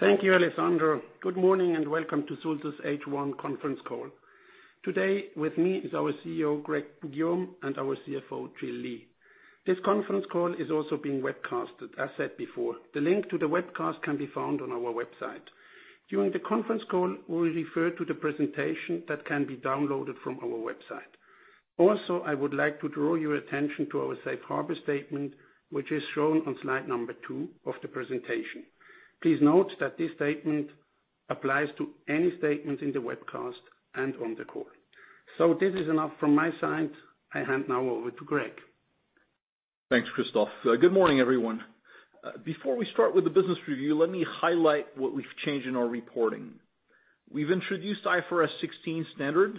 Thank you, Alessandro. Good morning, and welcome to Sulzer's H1 conference call. Today, with me is our CEO, Greg Poux-Guillaume, and our CFO, Jill Lee. This conference call is also being webcasted, as said before. The link to the webcast can be found on our website. During the conference call, we'll refer to the presentation that can be downloaded from our website. I would like to draw your attention to our safe harbor statement, which is shown on slide number two of the presentation. Please note that this statement applies to any statement in the webcast and on the call. This is enough from my side, I hand now over to Greg. Thanks, Christoph. Good morning, everyone. Before we start with the business review, let me highlight what we've changed in our reporting, we've introduced IFRS 16 standard.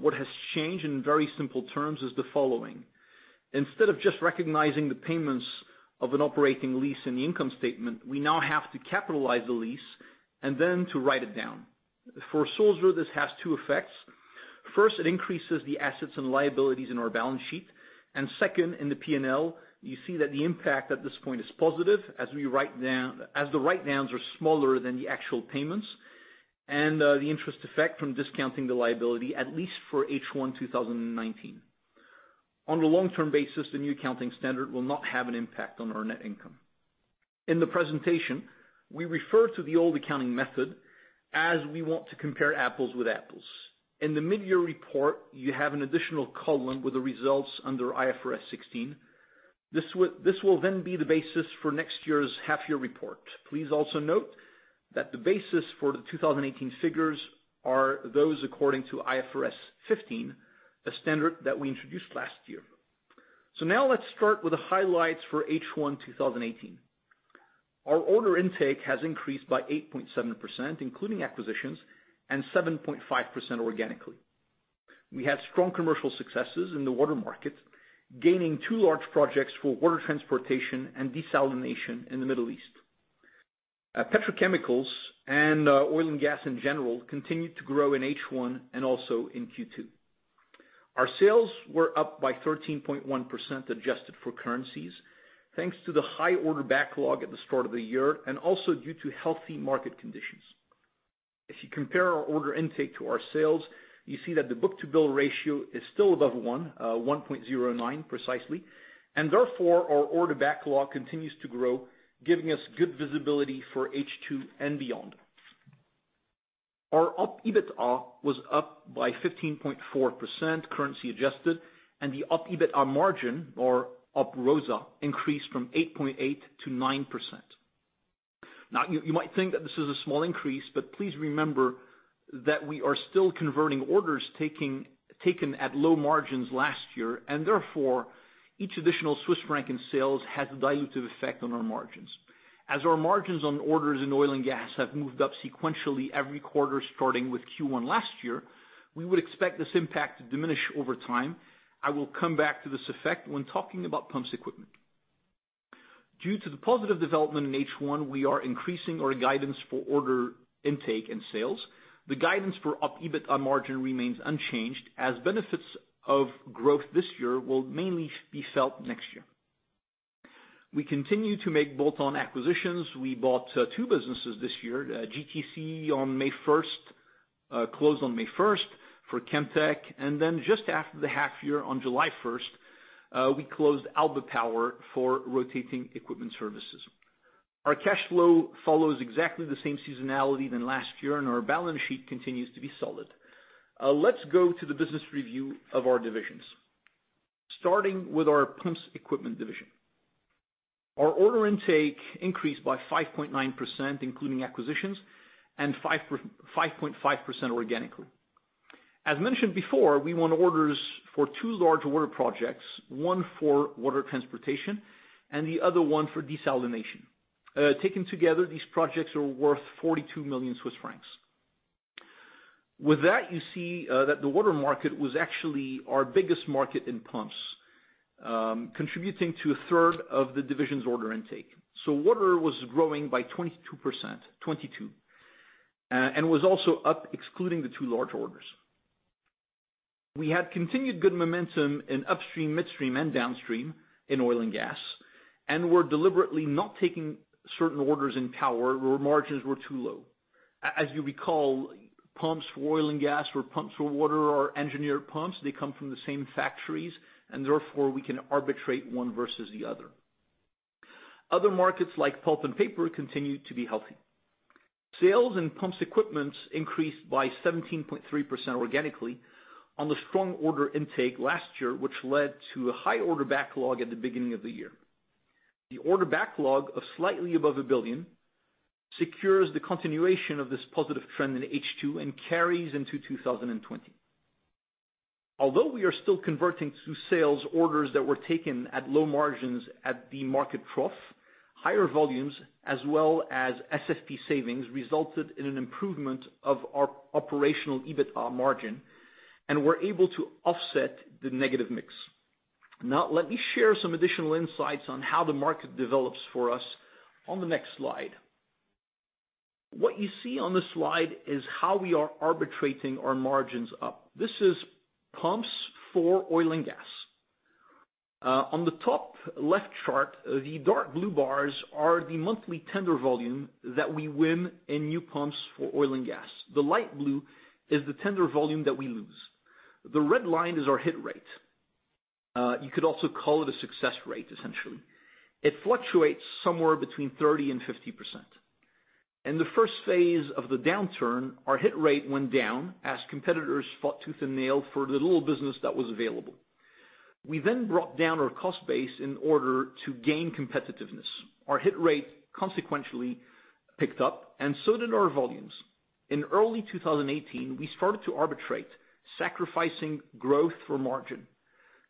What has changed, in very simple terms, is the following. Instead of just recognizing the payments of an operating lease in the income statement, we now have to capitalize the lease and then to write it down. For Sulzer, this has two effects. First, it increases the assets and liabilities in our balance sheet. Second, in the P&L, you see that the impact at this point is positive as the write-downs are smaller than the actual payments, and the interest effect from discounting the liability, at least for H1 2019. On a long-term basis, the new accounting standard will not have an impact on our net income. In the presentation, we refer to the old accounting method as we want to compare apples with apples. In the mid-year report, you have an additional column with the results under IFRS 16. This will be the basis for next year's half-year report. Please also note that the basis for the 2018 figures are those according to IFRS 15, a standard that we introduced last year. Let's start with the highlights for H1 2018. Our order intake has increased by 8.7%, including acquisitions, and 7.5% organically. We had strong commercial successes in the water market, gaining two large projects for water transportation and desalination in the Middle East. Petrochemicals and oil and gas in general continued to grow in H1 and also in Q2. Our sales were up by 13.1% adjusted for currencies, thanks to the high order backlog at the start of the year and also due to healthy market conditions. If you compare our order intake to our sales, you see that the book-to-bill ratio is still above one, 1.09 precisely, and therefore, our order backlog continues to grow, giving us good visibility for H2 and beyond. Our operating EBITDA was up by 15.4% currency adjusted, and the operating EBITDA margin or operating ROSA increased from 8.8% to 9%. Now, you might think that this is a small increase, but please remember that we are still converting orders taken at low margins last year, and therefore, each additional Swiss franc in sales has a dilutive effect on our margins. As our margins on orders in oil and gas have moved up sequentially every quarter starting with Q1 last year, we would expect this impact to diminish over time. I will come back to this effect when talking about pumps equipment. Due to the positive development in H1, we are increasing our guidance for order intake and sales. The guidance for operating EBITDA margin remains unchanged as benefits of growth this year will mainly be felt next year. We continue to make bolt-on acquisitions. We bought two businesses this year, GTC on May 1st, closed on May 1st for Chemtech, and then just after the half year on July 1st, we closed Alba Power for Rotating Equipment Services. Our cash flow follows exactly the same seasonality than last year, and our balance sheet continues to be solid. Let's go to the business review of our divisions. Starting with our pumps equipment division. Our order intake increased by 5.9%, including acquisitions, and 5.5% organically. As mentioned before, we won orders for two large water projects, one for water transportation and the other one for desalination. Taken together, these projects are worth 42 million Swiss francs. With that, you see that the water market was actually our biggest market in pumps, contributing to a third of the division's order intake. Water was growing by 22%, 22%, and was also up excluding the two large orders. We had continued good momentum in upstream, midstream, and downstream in oil and gas and were deliberately not taking certain orders in power where margins were too low. As you recall, pumps for oil and gas or pumps for water or engineered pumps, they come from the same factories and therefore we can arbitrate one versus the other. Other markets like pulp and paper continue to be healthy. Sales in Pumps Equipment increased by 17.3% organically on the strong order intake last year, which led to a high order backlog at the beginning of the year. The order backlog of slightly above 1 billion secures the continuation of this positive trend in H2 and carries into 2020. Although we are still converting to sales orders that were taken at low margins at the market trough, higher volumes as well as SFP savings resulted in an improvement of our operational EBITDA margin, and we're able to offset the negative mix. Now, let me share some additional insights on how the market develops for us on the next slide. What you see on this slide is how we are arbitrating our margins up. This is pumps for oil and gas. On the top left chart, the dark blue bars are the monthly tender volume that we win in new pumps for oil and gas. The light blue is the tender volume that we lose. The red line is our hit rate. You could also call it a success rate, essentially. It fluctuates somewhere between 30% and 50%. In the first phase of the downturn, our hit rate went down as competitors fought tooth and nail for the little business that was available. We then brought down our cost base in order to gain competitiveness. Our hit rate consequentially picked up, and so did our volumes. In early 2018, we started to arbitrate, sacrificing growth for margin.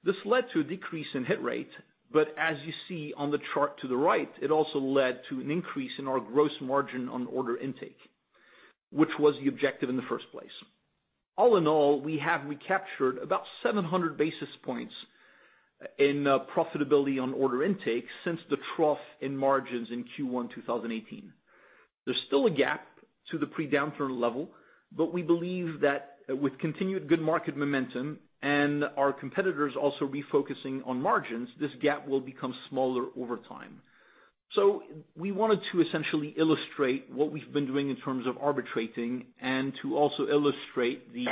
This led to a decrease in hit rate, but as you see on the chart to the right, it also led to an increase in our gross margin on order intake, which was the objective in the first place. All in all, we have recaptured about 700 basis points in profitability on order intake since the trough in margins in Q1 2018. There's still a gap to the pre-downturn level, but we believe that with continued good market momentum and our competitors also refocusing on margins, this gap will become smaller over time. We wanted to essentially illustrate what we've been doing in terms of arbitrating and to also illustrate the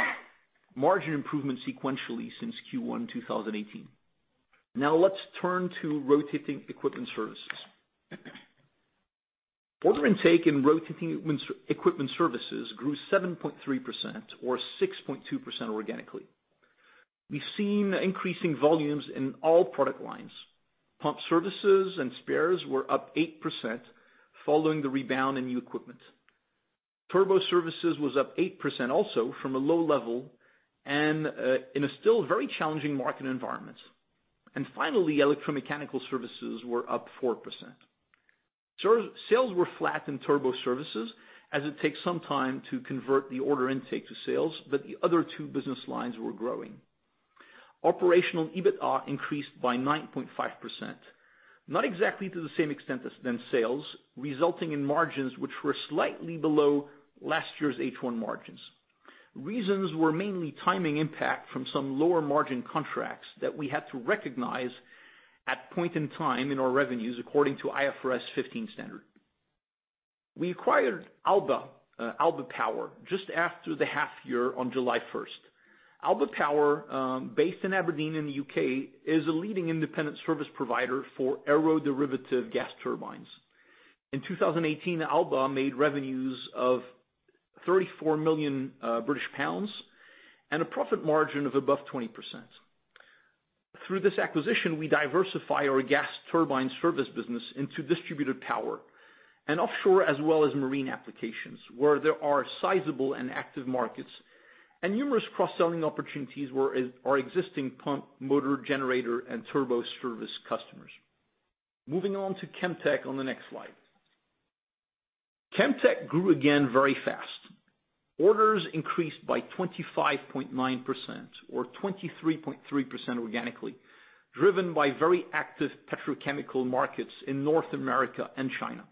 margin improvement sequentially since Q1 2018. Now let's turn to Rotating Equipment Services. Order intake in Rotating Equipment Services grew 7.3%, or 6.2% organically. We've seen increasing volumes in all product lines. Pump services and spares were up 8% following the rebound in new equipment. Turbo services was up 8% also from a low level in a still very challenging market environment. Finally, electromechanical services were up 4%. Sales were flat in turbo services, as it takes some time to convert the order intake to sales, but the other two business lines were growing. Operational EBITDA increased by 9.5%. Not exactly to the same extent as sales, resulting in margins which were slightly below last year's H1 margins. Reasons were mainly timing impact from some lower margin contracts that we had to recognize at point in time in our revenues, according to IFRS 15 standard. We acquired Alba Power just after the half year on July 1st. Alba Power, based in Aberdeen in the U.K., is a leading independent service provider for aeroderivative gas turbines. In 2018, Alba made revenues of 34 million British pounds and a profit margin of above 20%. Through this acquisition, we diversify our gas turbine service business into distributed power and offshore as well as marine applications, where there are sizable and active markets and numerous cross-selling opportunities with our existing pump, motor generator, and turbo service customers. Moving on to Chemtech on the next slide. Chemtech grew again very fast. Orders increased by 25.9%, or 23.3% organically, driven by very active petrochemical markets in North America and China.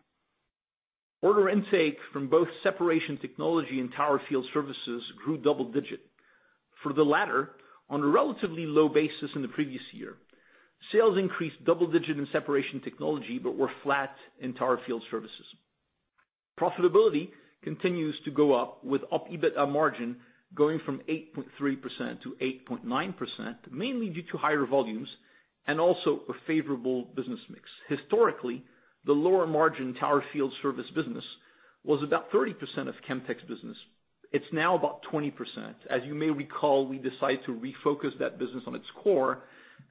Order intake from both separation technology and tower field services grew double digit. For the latter, on a relatively low basis in the previous year, sales increased double digit in separation technology but were flat in tower field services. Profitability continues to go up with EBITDA margin going from 8.3% to 8.9%, mainly due to higher volumes and also a favorable business mix. Historically, the lower margin tower field service business was about 30% of Chemtech's business. It's now about 20%. As you may recall, we decided to refocus that business on its core,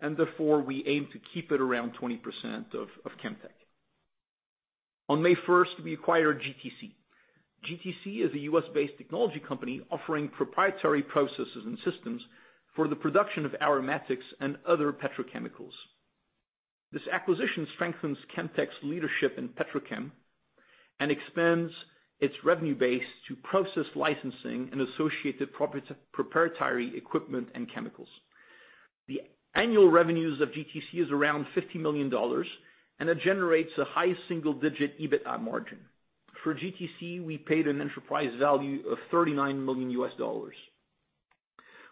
and therefore, we aim to keep it around 20% of Chemtech. On May 1st, we acquired GTC. GTC is a U.S.-based technology company offering proprietary processes and systems for the production of aromatics and other petrochemicals. This acquisition strengthens Chemtech's leadership in petrochem and expands its revenue base to process licensing and associated proprietary equipment and chemicals. The annual revenues of GTC is around $50 million, and it generates a high single-digit EBITDA margin. For GTC, we paid an enterprise value of $39 million.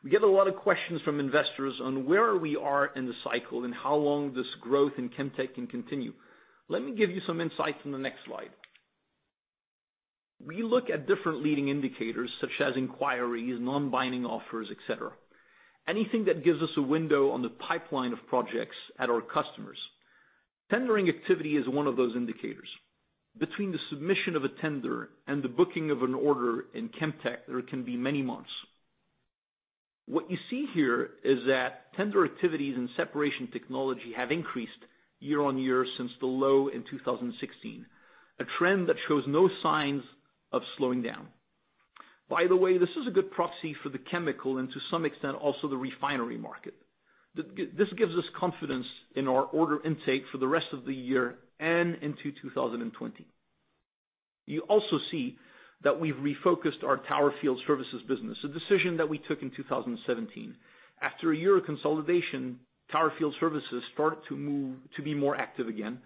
We get a lot of questions from investors on where we are in the cycle and how long this growth in Chemtech can continue. Let me give you some insights on the next slide. We look at different leading indicators, such as inquiries, non-binding offers, etc. Anything that gives us a window on the pipeline of projects at our customers. Tendering activity is one of those indicators. Between the submission of a tender and the booking of an order in Chemtech, there can be many months. What you see here is that tender activities in Separation Technology have increased year-on-year since the low in 2016, a trend that shows no signs of slowing down. By the way, this is a good proxy for the chemical, and to some extent, also the refinery market. This gives us confidence in our order intake for the rest of the year and into 2020. You also see that we've refocused our tower field services business, a decision that we took in 2017. After a year of consolidation, tower field services start to be more active again,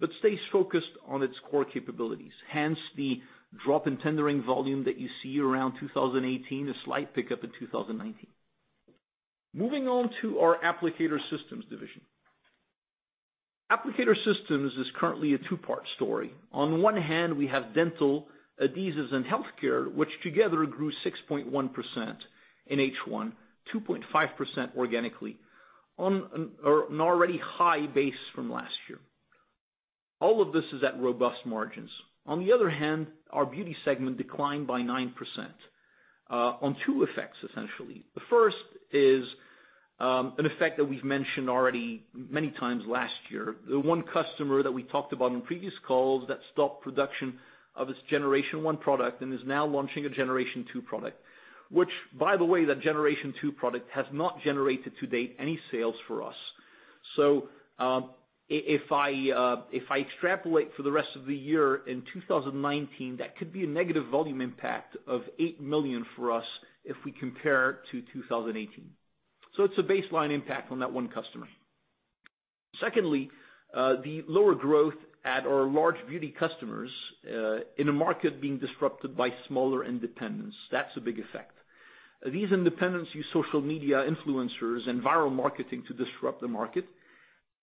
but stays focused on its core capabilities, hence the drop in tendering volume that you see around 2018, a slight pickup in 2019. Moving on to our Applicator Systems division. Applicator Systems is currently a two-part story. On one hand, we have dental adhesives and healthcare, which together grew 6.1% in H1, 2.5% organically on an already high base from last year. All of this is at robust margins. On the other hand, our beauty segment declined by 9%, on two effects, essentially. The first is an effect that we've mentioned already many times last year. The one customer that we talked about on previous calls that stopped production of its generation 1 product and is now launching a generation 2 product. By the way, that generation 2 product has not generated to date any sales for us. If I extrapolate for the rest of the year, in 2019, that could be a negative volume impact of 8 million for us if we compare to 2018. It's a baseline impact on that one customer. Secondly, the lower growth at our large beauty customers, in a market being disrupted by smaller independents. That's a big effect. These independents use social media influencers and viral marketing to disrupt the market.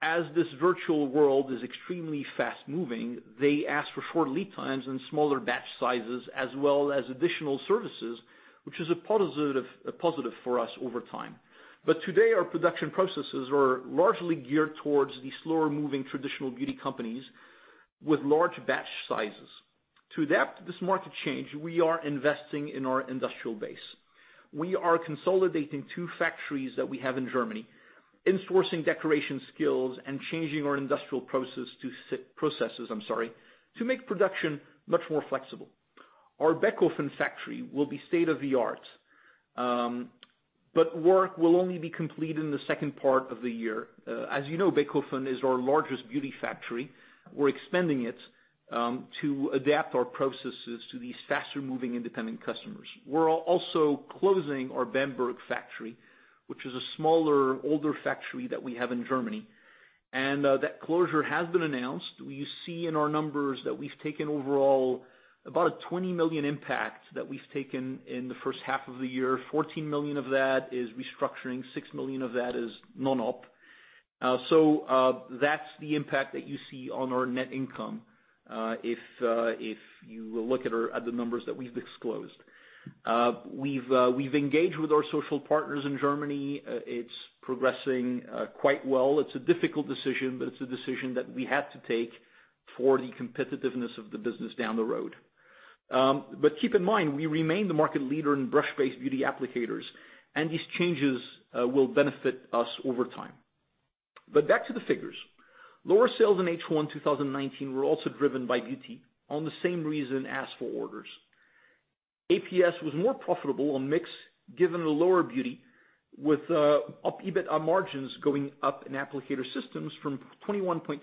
As this virtual world is extremely fast-moving, they ask for short lead times and smaller batch sizes, as well as additional services, which is a positive for us over time. Today, our production processes are largely geared towards the slower-moving traditional beauty companies with large batch sizes. To adapt to this market change, we are investing in our industrial base. We are consolidating two factories that we have in Germany, in-sourcing decoration skills, and changing our industrial processes to make production much more flexible. Our Bechhofen factory will be state-of-the-art. Work will only be complete in the second part of the year. As you know, Bechhofen is our largest beauty factory. We're expanding it to adapt our processes to these faster-moving independent customers. We're also closing our Bamberg factory, which is a smaller, older factory that we have in Germany. That closure has been announced. We see in our numbers that we've taken overall about a 20 million impact that we've taken in the first half of the year. 14 million of that is restructuring, 6 million of that is non-op. That's the impact that you see on our net income, if you look at the numbers that we've disclosed. We've engaged with our social partners in Germany. It's progressing quite well. It's a difficult decision, but it's a decision that we had to take for the competitiveness of the business down the road. Keep in mind, we remain the market leader in brush-based beauty applicators, and these changes will benefit us over time. Back to the figures, lower sales in H1 2019 were also driven by beauty on the same reason as for orders. APS was more profitable on mix given the lower beauty with opEBITDA margins going up in applicator systems from 21.2%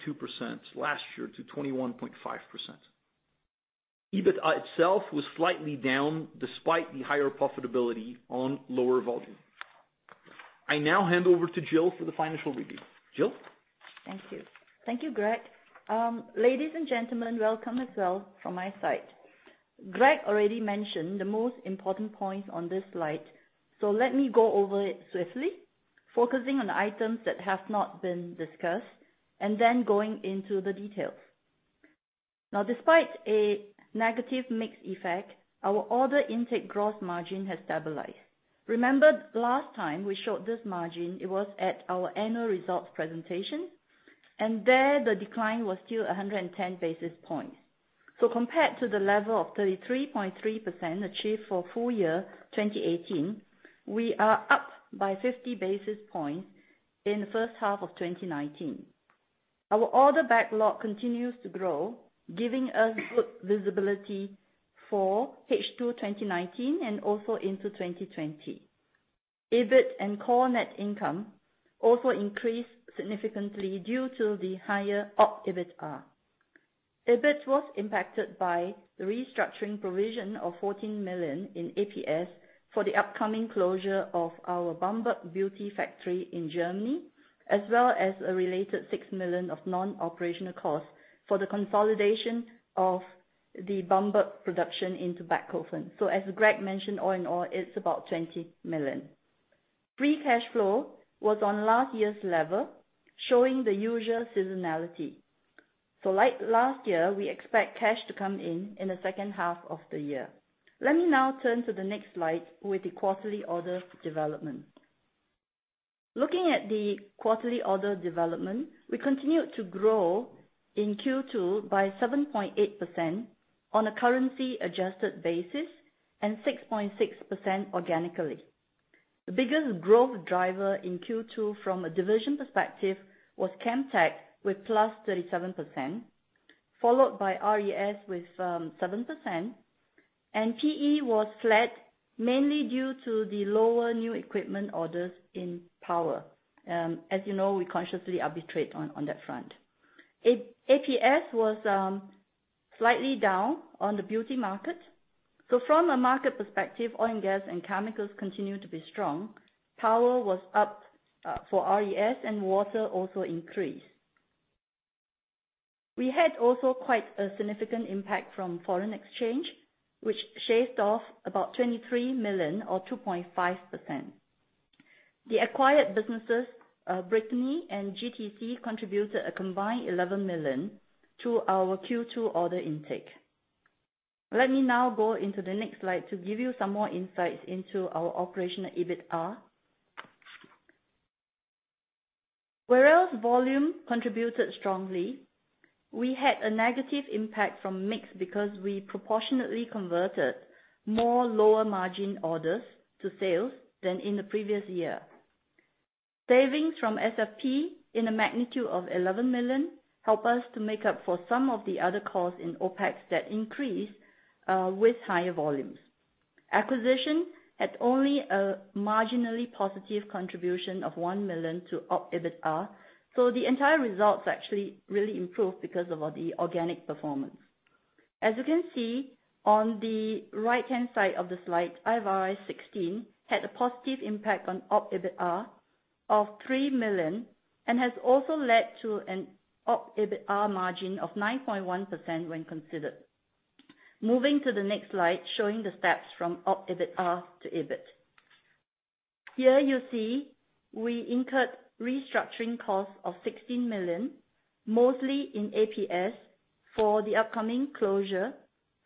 last year to 21.5%. EBITDA itself was slightly down despite the higher profitability on lower volume. I now hand over to Jill for the financial review. Jill? Thank you. Thank you, Greg. Ladies and gentlemen, welcome as well from my side. Greg already mentioned the most important points on this slide. Let me go over it swiftly, focusing on the items that have not been discussed, and then going into the details. Now, despite a negative mix effect, our order intake gross margin has stabilized. Remember, last time we showed this margin, it was at our annual results presentation, and there the decline was still 110 basis points. Compared to the level of 33.3% achieved for full year 2018, we are up by 50 basis points in the first half of 2019. Our order backlog continues to grow, giving us good visibility for H2 2019 and also into 2020. EBIT and core net income also increased significantly due to the higher opEBITDA. EBIT was impacted by the restructuring provision of 14 million in APS for the upcoming closure of our Bamberg beauty factory in Germany, as well as a related 6 million of non-operational costs for the consolidation of the Bamberg production into Bechhofen. As Greg mentioned, all in all, it's about 20 million. Free cash flow was on last year's level, showing the usual seasonality. Like last year, we expect cash to come in in the second half of the year. Let me now turn to the next slide with the quarterly order development. Looking at the quarterly order development, we continued to grow in Q2 by 7.8% on a currency-adjusted basis and 6.6% organically. The biggest growth driver in Q2 from a division perspective was Chemtech with +37%, followed by RES with 7%, and PE was flat mainly due to the lower new equipment orders in power. As you know, we consciously arbitrate on that front. APS was slightly down on the beauty market. From a market perspective, oil and gas and chemicals continue to be strong. Power was up for RES, and water also increased. We had also quite a significant impact from foreign exchange, which shaved off about 23 million or 2.5%. The acquired businesses, Brithinee and GTC, contributed a combined 11 million to our Q2 order intake. Let me now go into the next slide to give you some more insights into our operational EBITA. Whereas volume contributed strongly, we had a negative impact from mix because we proportionately converted more lower margin orders to sales than in the previous year. Savings from SFP in a magnitude of 11 million help us to make up for some of the other costs in OpEx that increased with higher volumes. Acquisition had only a marginally positive contribution of 1 million to opEBITA, so the entire results actually really improved because of the organic performance. As you can see on the right-hand side of the slide, IFRS 16 had a positive impact on opEBITA of 3 million and has also led to an opEBITA margin of 9.1% when considered. Moving to the next slide, showing the steps from opEBITA to EBIT. Here you see we incurred restructuring costs of 16 million, mostly in APS for the upcoming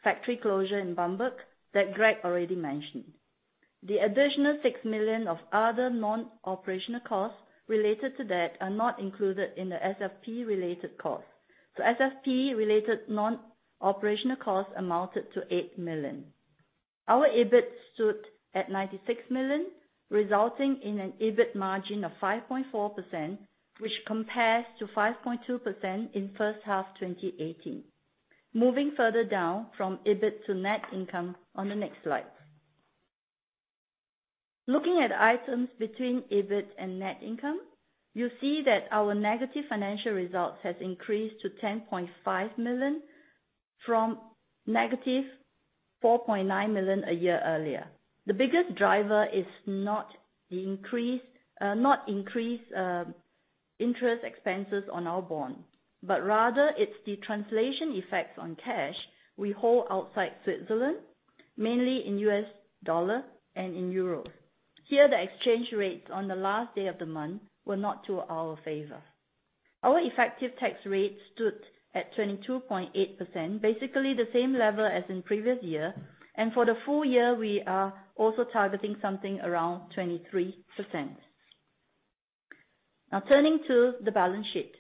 factory closure in Bamberg that Greg already mentioned. The additional 6 million of other non-operational costs related to that are not included in the SFP related costs. SFP related non-operational costs amounted to 8 million. Our EBIT stood at 96 million, resulting in an EBIT margin of 5.4%, which compares to 5.2% in first half 2018. Moving further down from EBIT to net income on the next slide. Looking at items between EBIT and net income, you see that our negative financial results has increased to 10.5 million from -4.9 million a year earlier. The biggest driver is not increase interest expenses on our bond, but rather it's the translation effects on cash we hold outside Switzerland, mainly in U.S. dollar and in euro. Here, the exchange rates on the last day of the month were not to our favor. Our effective tax rate stood at 22.8%, basically the same level as in previous year. For the full year, we are also targeting something around 23%. Now turning to the balance sheet.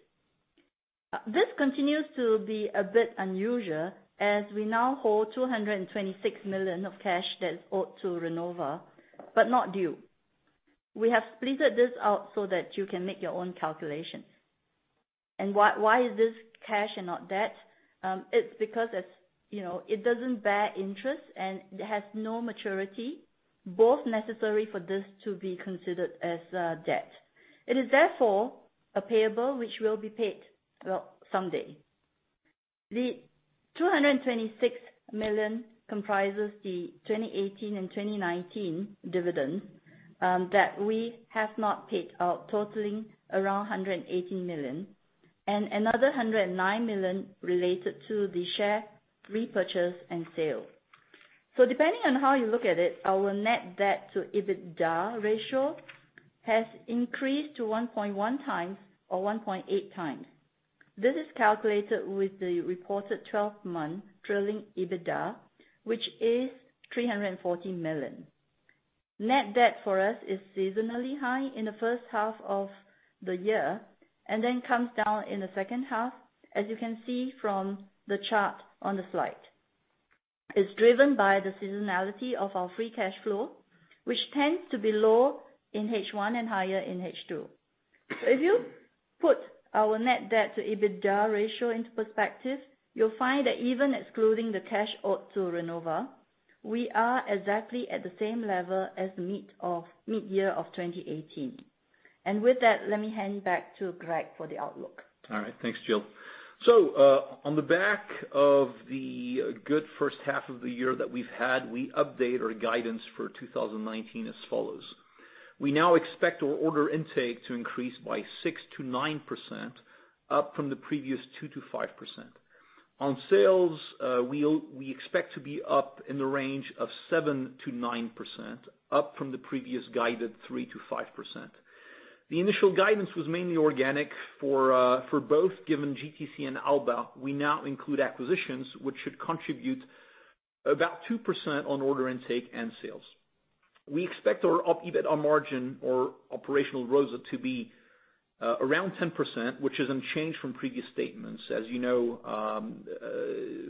This continues to be a bit unusual as we now hold 226 million of cash that is owed to Renova, but not due. We have split this out so that you can make your own calculations. Why is this cash and not debt? It's because it doesn't bear interest and it has no maturity, both necessary for this to be considered as debt. It is therefore a payable which will be paid someday. The 226 million comprises the 2018 and 2019 dividend that we have not paid out, totaling around 118 million and another 109 million related to the share repurchase and sale. Depending on how you look at it, our net debt to EBITDA ratio has increased to 1.1x or 1.8x. This is calculated with the reported 12-month trailing EBITDA, which is 340 million. Net debt for us is seasonally high in the first half of the year and then comes down in the second half, as you can see from the chart on the slide. It's driven by the seasonality of our free cash flow, which tends to be low in H1 and higher in H2. If you put our net debt to EBITDA ratio into perspective, you'll find that even excluding the cash owed to Renova, we are exactly at the same level as mid-year of 2018. With that, let me hand you back to Greg for the outlook. All right. Thanks, Jill. On the back of the good first half of the year that we've had, we update our guidance for 2019 as follows. We now expect our order intake to increase by 6%-9%, up from the previous 2%-5%. On sales, we expect to be up in the range of 7%-9%, up from the previous guided 3%-5%. The initial guidance was mainly organic for both given GTC and Alba, we now include acquisitions, which should contribute about 2% on order intake and sales. We expect our opEBITA margin or operational ROSA to be around 10%, which is unchanged from previous statements. As you know,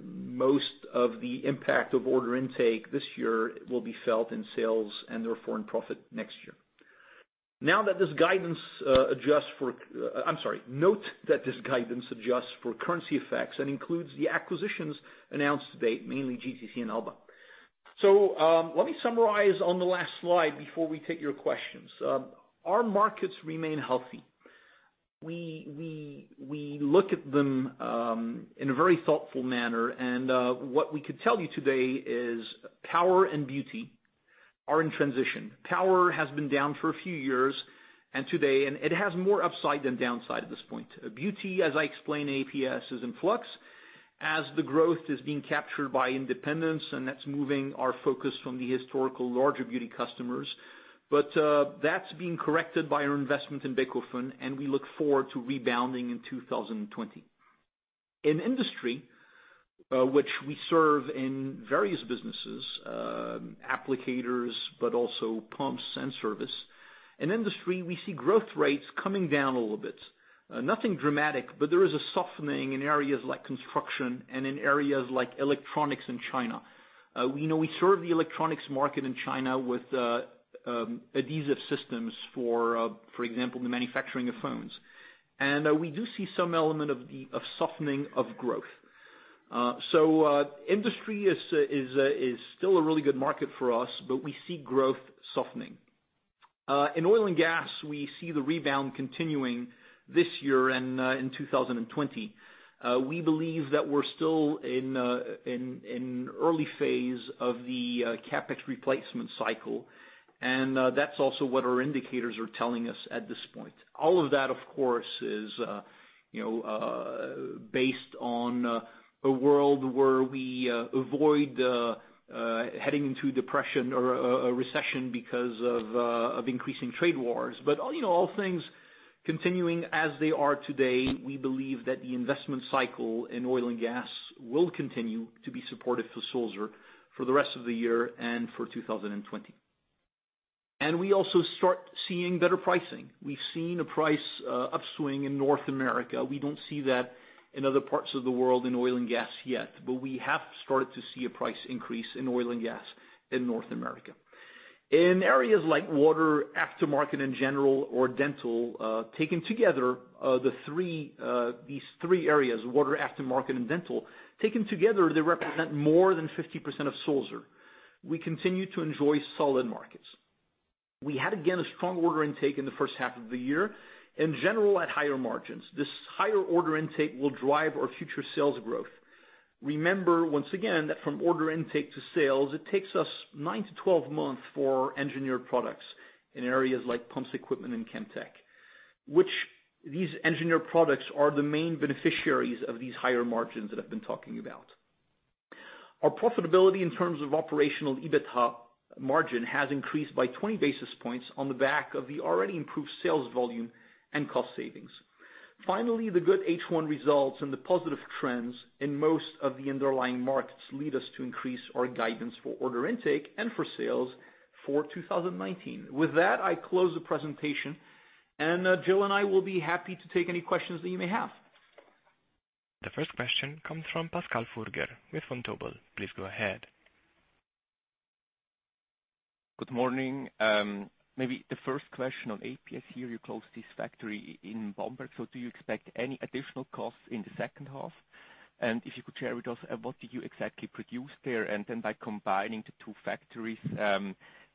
most of the impact of order intake this year will be felt in sales and therefore in profit next year. Note that this guidance adjusts for currency effects and includes the acquisitions announced today, mainly GTC and Alba. Let me summarize on the last slide before we take your questions. Our markets remain healthy. We look at them in a very thoughtful manner. What we could tell you today is power and beauty are in transition. Power has been down for a few years. Today it has more upside than downside at this point. Beauty, as I explained, APS is in flux as the growth is being captured by independents. That's moving our focus from the historical larger beauty customers. That's being corrected by our investment in Bechhofen. We look forward to rebounding in 2020. In industry, which we serve in various businesses, applicators, but also pumps and service, in industry we see growth rates coming down a little bit. Nothing dramatic, there is a softening in areas like construction and in areas like electronics in China. We know we serve the electronics market in China with adhesive systems, for example, the manufacturing of phones. We do see some element of softening of growth. Industry is still a really good market for us, but we see growth softening. In oil and gas, we see the rebound continuing this year and in 2020. We believe that we're still in early phase of the CapEx replacement cycle, and that's also what our indicators are telling us at this point. All of that, of course, is based on a world where we avoid heading into depression or a recession because of increasing trade wars. All in all things continuing as they are today, we believe that the investment cycle in oil and gas will continue to be supportive for Sulzer for the rest of the year and for 2020. We also start seeing better pricing. We've seen a price upswing in North America. We don't see that in other parts of the world in oil and gas yet, but we have started to see a price increase in oil and gas in North America. In areas like water, aftermarket in general or dental taken together, these three areas, water, aftermarket, and dental, taken together, they represent more than 50% of Sulzer. We continue to enjoy solid markets. We had, again, a strong order intake in the first half of the year. In general, at higher margins. This higher order intake will drive our future sales growth. Remember, once again, that from order intake to sales, it takes us 9-12 months for engineered products in areas like pumps, equipment and Chemtech. Which these engineered products are the main beneficiaries of these higher margins that I've been talking about. Our profitability in terms of operational EBITDA margin has increased by 20 basis points on the back of the already improved sales volume and cost savings. Finally, the good H1 results and the positive trends in most of the underlying markets lead us to increase our guidance for order intake and for sales for 2019. With that, I close the presentation, and Jill and I will be happy to take any questions that you may have. The first question comes from Pascal Furger with Vontobel. Please go ahead. Good morning. The first question on APS here, you closed this factory in Bamberg. Do you expect any additional costs in the second half? If you could share with us, what did you exactly produce there? By combining the two factories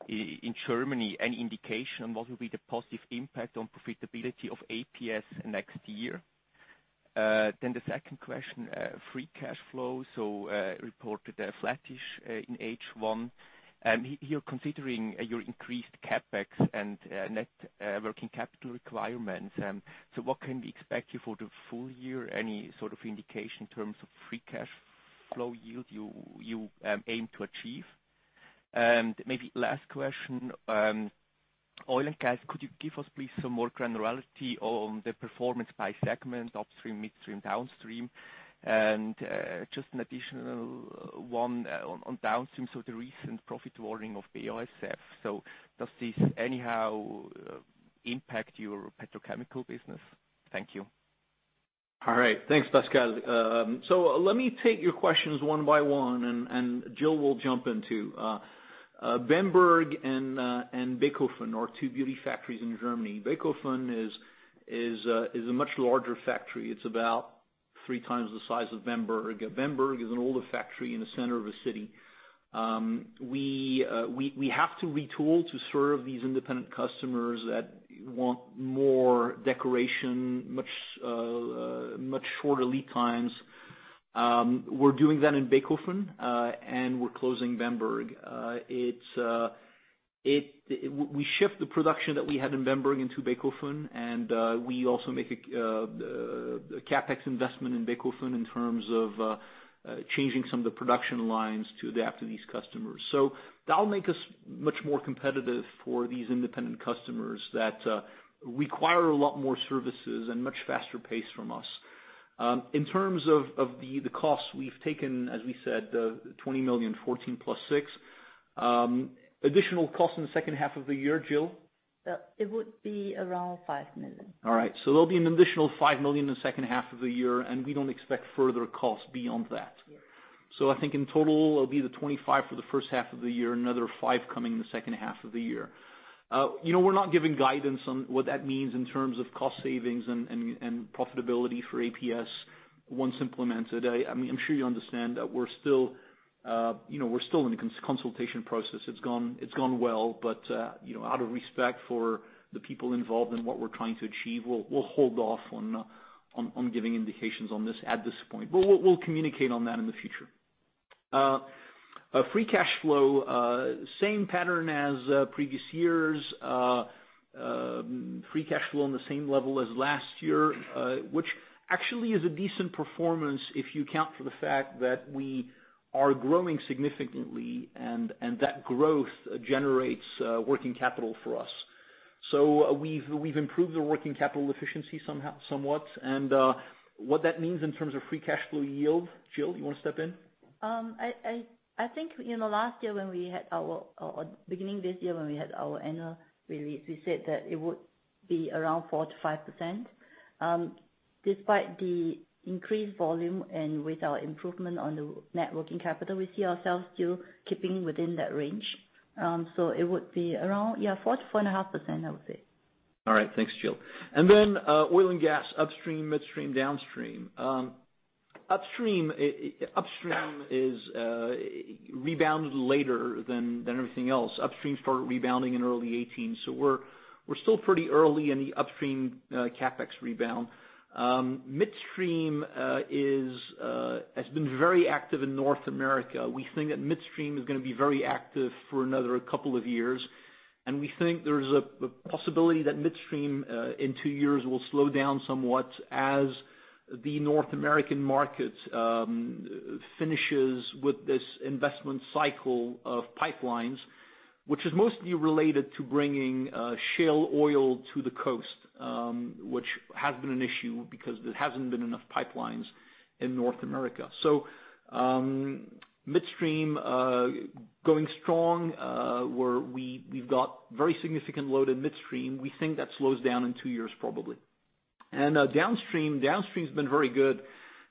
in Germany, any indication on what will be the positive impact on profitability of APS next year? The second question, free cash flow. Reported flattish in H1. You're considering your increased CapEx and net working capital requirements. What can we expect you for the full year? Any sort of indication in terms of free cash flow yield you aim to achieve? Maybe last question, oil and gas. Could you give us, please, some more granularity on the performance by segment upstream, midstream, downstream? Just an additional one on downstream. The recent profit warning of BASF, so does this anyhow impact your petrochemical business? Thank you. All right. Thanks, Pascal. Let me take your questions one by one, and Jill will jump in, too. Bamberg and Bechhofen are two beauty factories in Germany. Bechhofen is a much larger factory. It's about 3x the size of Bamberg. Bamberg is an older factory in the center of a city. We have to retool to serve these independent customers that want more decoration, much shorter lead times. We're doing that in Bechhofen, and we're closing Bamberg. We shift the production that we had in Bamberg into Bechhofen, and we also make a CapEx investment in Bechhofen in terms of changing some of the production lines to adapt to these customers. That'll make us much more competitive for these independent customers that require a lot more services and much faster pace from us. In terms of the cost we've taken, as we said, 20 million, 14 million + 6 million. Additional cost in the second half of the year, Jill? It would be around 5 million. All right. There'll be an additional 5 million in the second half of the year. We don't expect further cost beyond that. Yes. I think in total, it'll be the 25 million for the first half of the year, another five coming in the second half of the year. We're not giving guidance on what that means in terms of cost savings and profitability for APS once implemented. I'm sure you understand that we're still in the consultation process. It's gone well, out of respect for the people involved and what we're trying to achieve, we'll hold off on giving indications on this at this point. We'll communicate on that in the future. Free cash flow, same pattern as previous years. Free cash flow on the same level as last year, which actually is a decent performance if you account for the fact that we are growing significantly and that growth generates working capital for us. We've improved the working capital efficiency somewhat. What that means in terms of free cash flow yield, Jill, you want to step in? I think beginning this year, when we had our annual release, we said that it would be around 4%-5%. Despite the increased volume and with our improvement on the net working capital, we see ourselves still keeping within that range. It would be around 4%-4.5%, I would say. All right. Thanks, Jill. Oil and gas upstream, midstream, downstream. Upstream rebounded later than everything else. Upstream started rebounding in early 2018, so we're still pretty early in the upstream CapEx rebound. Midstream has been very active in North America. We think that midstream is going to be very active for another couple of years, and we think there's a possibility that midstream, in two years, will slow down somewhat as the North American market finishes with this investment cycle of pipelines, which is mostly related to bringing shale oil to the coast, which has been an issue because there hasn't been enough pipelines in North America. Midstream going strong, where we've got very significant load in midstream. We think that slows down in two years, probably. Downstream's been very good.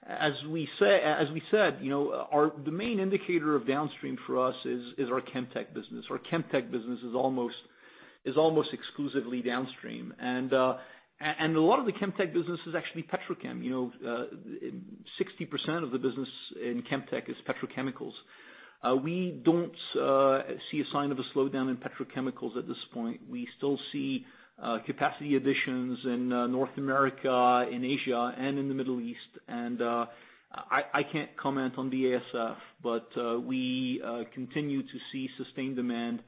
As we said, the main indicator of downstream for us is our Chemtech business. So Chemtech business is almost exclusively downstream. A lot of the Chemtech business is actually petrochem. 60% of the business in Chemtech is petrochemicals. We don't see a sign of a slowdown in petrochemicals at this point. We still see capacity additions in North America, in Asia, and in the Middle East. I can't comment on the BASF, but we continue to see sustained demand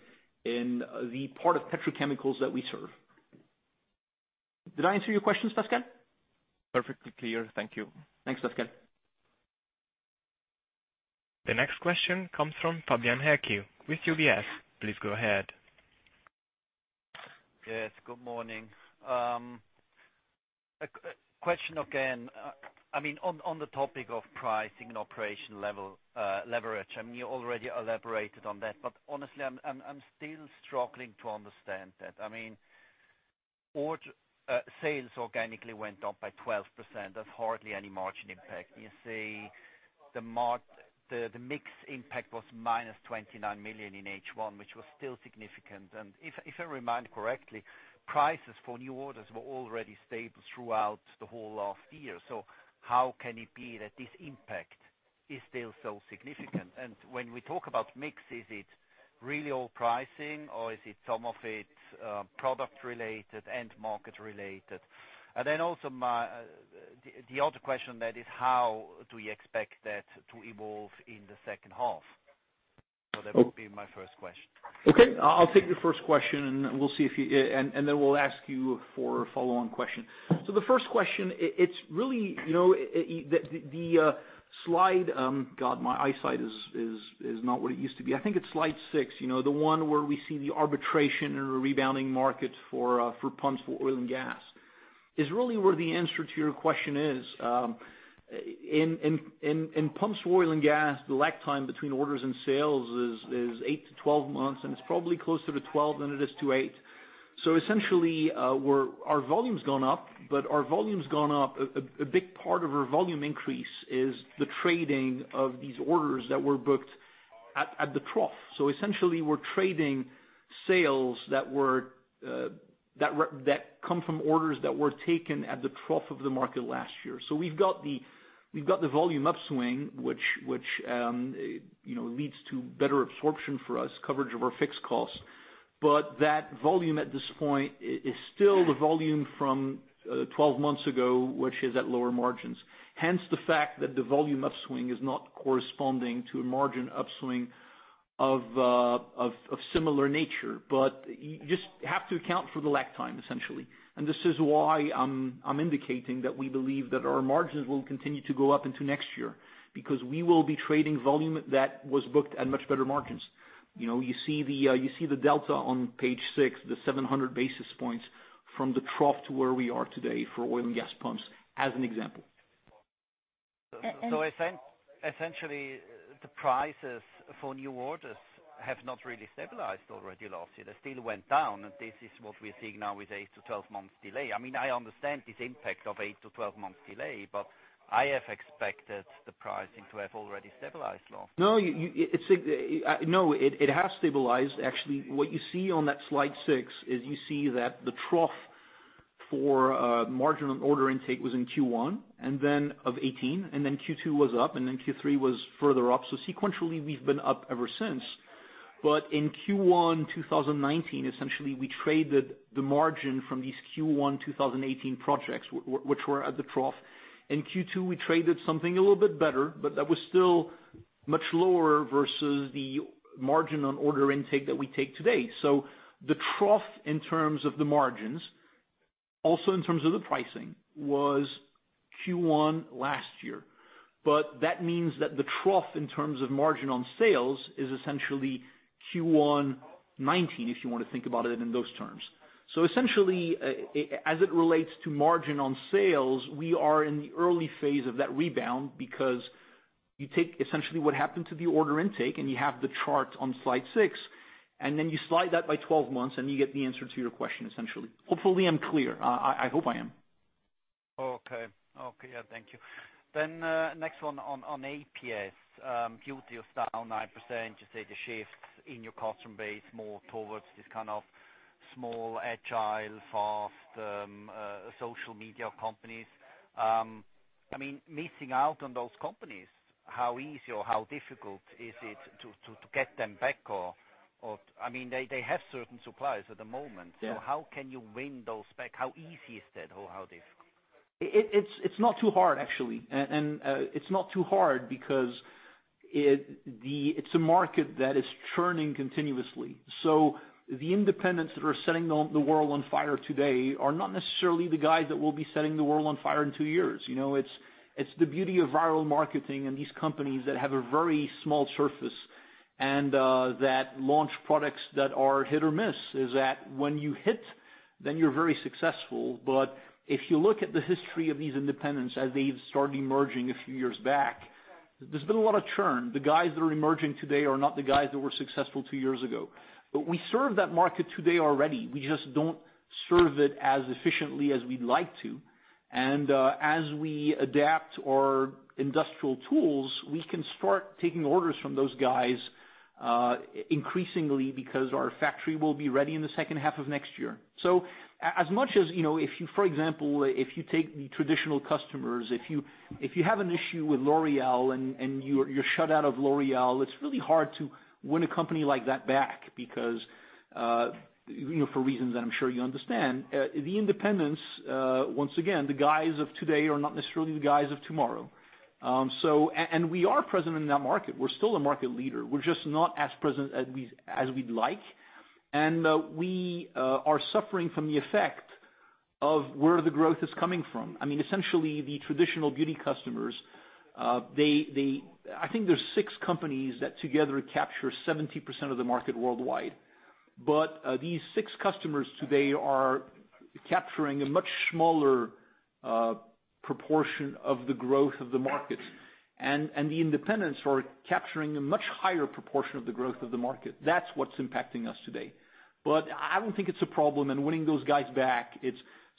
in the part of petrochemicals that we serve. Did I answer your questions, Pascal? Perfectly clear. Thank you. Thanks, Pascal. The next question comes from Fabian Haecki with UBS. Please go ahead. Yes, good morning. A question again. On the topic of pricing and operational leverage, you already elaborated on that, but honestly, I'm still struggling to understand that. Sales organically went up by 12%. That's hardly any margin impact. You say the mix impact was -29 million in H1, which was still significant. If I remind correctly, prices for new orders were already stable throughout the whole last year. How can it be that this impact is still so significant? When we talk about mix, is it really all pricing or is it some of it product-related and market-related? Also, the other question, that is how do you expect that to evolve in the second half? That would be my first question. Okay. I'll take the first question, and then we'll ask you for a follow-on question. The first question, the slide God, my eyesight is not what it used to be. I think it's slide six, the one where we see the arbitration and the rebounding market for pumps for oil and gas, is really where the answer to your question is. In pumps for oil and gas, the lag time between orders and sales is 8-12 months, and it's probably closer to 12 than it is to eight. Essentially, our volume's gone up, but a big part of our volume increase is the trading of these orders that were booked at the trough. Essentially, we're trading sales that come from orders that were taken at the trough of the market last year. We've got the volume upswing, which leads to better absorption for us, coverage of our fixed costs. That volume at this point is still the volume from 12 months ago, which is at lower margins. Hence, the fact that the volume upswing is not corresponding to a margin upswing of similar nature. You just have to account for the lag time, essentially. This is why I'm indicating that we believe that our margins will continue to go up into next year, because we will be trading volume that was booked at much better margins. You see the delta on page six, the 700 basis points from the trough to where we are today for oil and gas pumps, as an example. Essentially, the prices for new orders have not really stabilized already last year. They still went down. This is what we are seeing now with 8-12 months delay. I understand this impact of 8-12 months delay. I have expected the pricing to have already stabilized last year. No, it has stabilized. What you see on that slide six is you see that the trough for marginal order intake was in Q1 2018, and then Q2 was up, and then Q3 was further up. Sequentially, we've been up ever since. In Q1 2019, essentially, we traded the margin from these Q1 2018 projects, which were at the trough. In Q2, we traded something a little bit better, but that was still much lower versus the margin on order intake that we take today. The trough, in terms of the margins, also in terms of the pricing, was Q1 2018. That means that the trough, in terms of margin on sales, is essentially Q1 2019, if you want to think about it in those terms. Essentially, as it relates to margin on sales, we are in the early phase of that rebound because you take essentially what happened to the order intake and you have the chart on slide six, and then you slide that by 12 months, and you get the answer to your question, essentially. Hopefully, I'm clear. I hope I am. Okay. Yeah, thank you. Next one on APS. Beauty was down 9%, you say the shift in your customer base more towards this kind of small, agile, fast, social media companies. Missing out on those companies, how easy or how difficult is it to get them back? They have certain suppliers at the moment. Yeah. How can you win those back? How easy is that, or how difficult? It's not too hard, actually. It's not too hard because it's a market that is churning continuously. The independents that are setting the world on fire today are not necessarily the guys that will be setting the world on fire in two years. It's the beauty of viral marketing and these companies that have a very small surface and that launch products that are hit or miss, is that when you hit, then you're very successful. If you look at the history of these independents as they've started emerging a few years back, there's been a lot of churn. The guys that are emerging today are not the guys that were successful two years ago. We serve that market today already, we just don't serve it as efficiently as we'd like to. As we adapt our industrial tools, we can start taking orders from those guys increasingly because our factory will be ready in the second half of next year. For example, if you take the traditional customers, if you have an issue with L'Oréal and you're shut out of L'Oréal, it's really hard to win a company like that back because, for reasons that I'm sure you understand. The independents, once again, the guys of today are not necessarily the guys of tomorrow. We are present in that market. We're still a market leader. We're just not as present as we'd like. We are suffering from the effect of where the growth is coming from. Essentially, the traditional beauty customers, I think there's six companies that together capture 70% of the market worldwide. These six customers today are capturing a much smaller proportion of the growth of the market. The independents are capturing a much higher proportion of the growth of the market. That's what's impacting us today. I don't think it's a problem, and winning those guys back,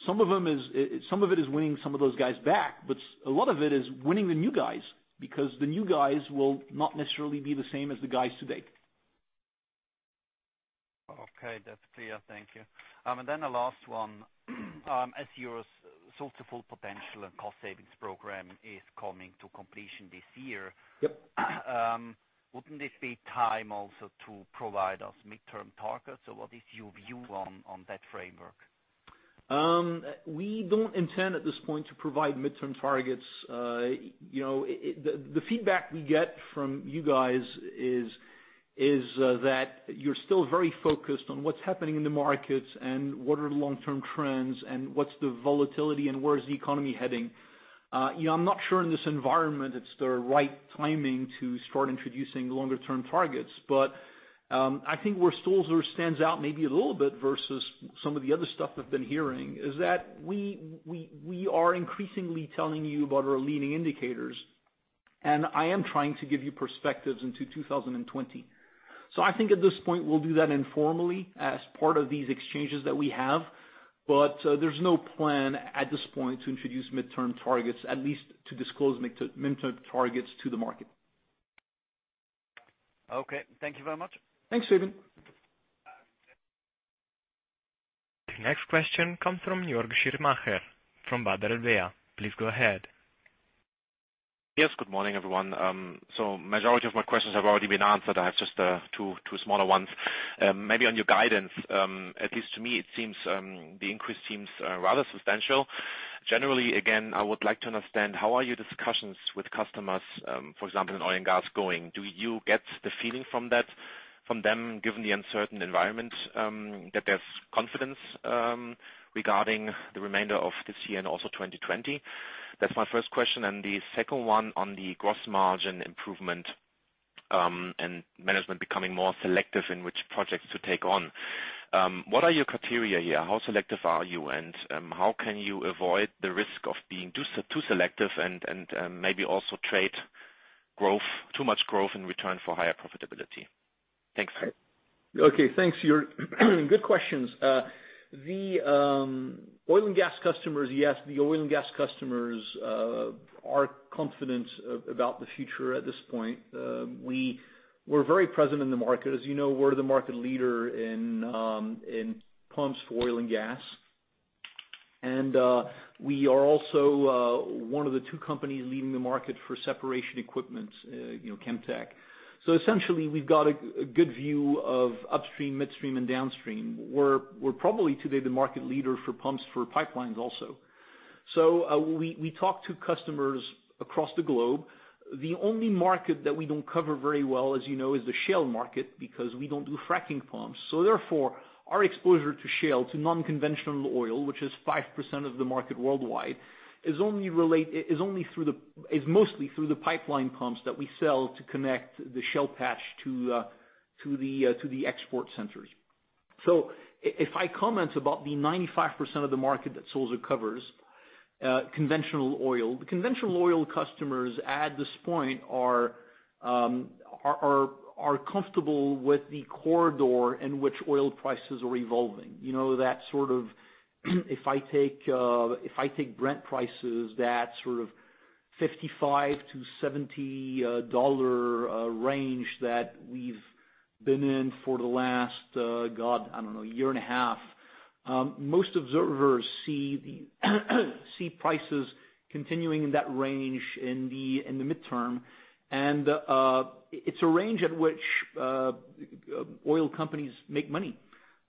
some of it is winning some of those guys back, but a lot of it is winning the new guys, because the new guys will not necessarily be the same as the guys today. Okay, that's clear. Thank you. The last one. As your Sulzer Full Potential and cost savings program is coming to completion this year. Yep. Wouldn't this be time also to provide us midterm targets, or what is your view on that framework? We don't intend at this point to provide midterm targets. The feedback we get from you guys is that you're still very focused on what's happening in the markets and what are the long-term trends and what's the volatility and where is the economy heading. I'm not sure in this environment it's the right timing to start introducing longer term targets. I think where Sulzer stands out maybe a little bit versus some of the other stuff we've been hearing is that we are increasingly telling you about our leading indicators, and I am trying to give you perspectives into 2020. I think at this point, we'll do that informally as part of these exchanges that we have, but there's no plan at this point to introduce midterm targets, at least to disclose midterm targets to the market. Okay. Thank you very much. Thanks, Fabian. The next question comes from Jörg Schirmacher, from Baader Helvea. Please go ahead. Yes. Good morning, everyone. Majority of my questions have already been answered. I have just two smaller ones. Maybe on your guidance, at least to me, it seems the increase seems rather substantial. Generally, again, I would like to understand how are your discussions with customers, for example, in oil and gas going? Do you get the feeling from them, given the uncertain environment, that there's confidence regarding the remainder of this year and also 2020? That's my first question, and the second one on the gross margin improvement and management becoming more selective in which projects to take on. What are your criteria here? How selective are you, and how can you avoid the risk of being too selective and maybe also trade too much growth in return for higher profitability? Thanks, Greg. Okay. Thanks, Jörg. Good questions. The oil and gas customers are confident about the future at this point. We're very present in the market. As you know, we're the market leader in pumps for oil and gas. We are also one of the two companies leading the market for separation equipment, Chemtech. Essentially, we've got a good view of upstream, midstream, and downstream. We're probably today the market leader for pumps for pipelines also. We talk to customers across the globe. The only market that we don't cover very well, as you know, is the shale market, because we don't do fracking pumps. Therefore, our exposure to shale, to non-conventional oil, which is 5% of the market worldwide, is mostly through the pipeline pumps that we sell to connect the shale patch to the export centers. If I comment about the 95% of the market that Sulzer covers, conventional oil. The conventional oil customers at this point are comfortable with the corridor in which oil prices are evolving. That sort of, if I take Brent prices, that sort of $55-$70 range that we've been in for the last, God, I don't know, year and a half. Most observers see prices continuing in that range in the midterm. It's a range at which oil companies make money.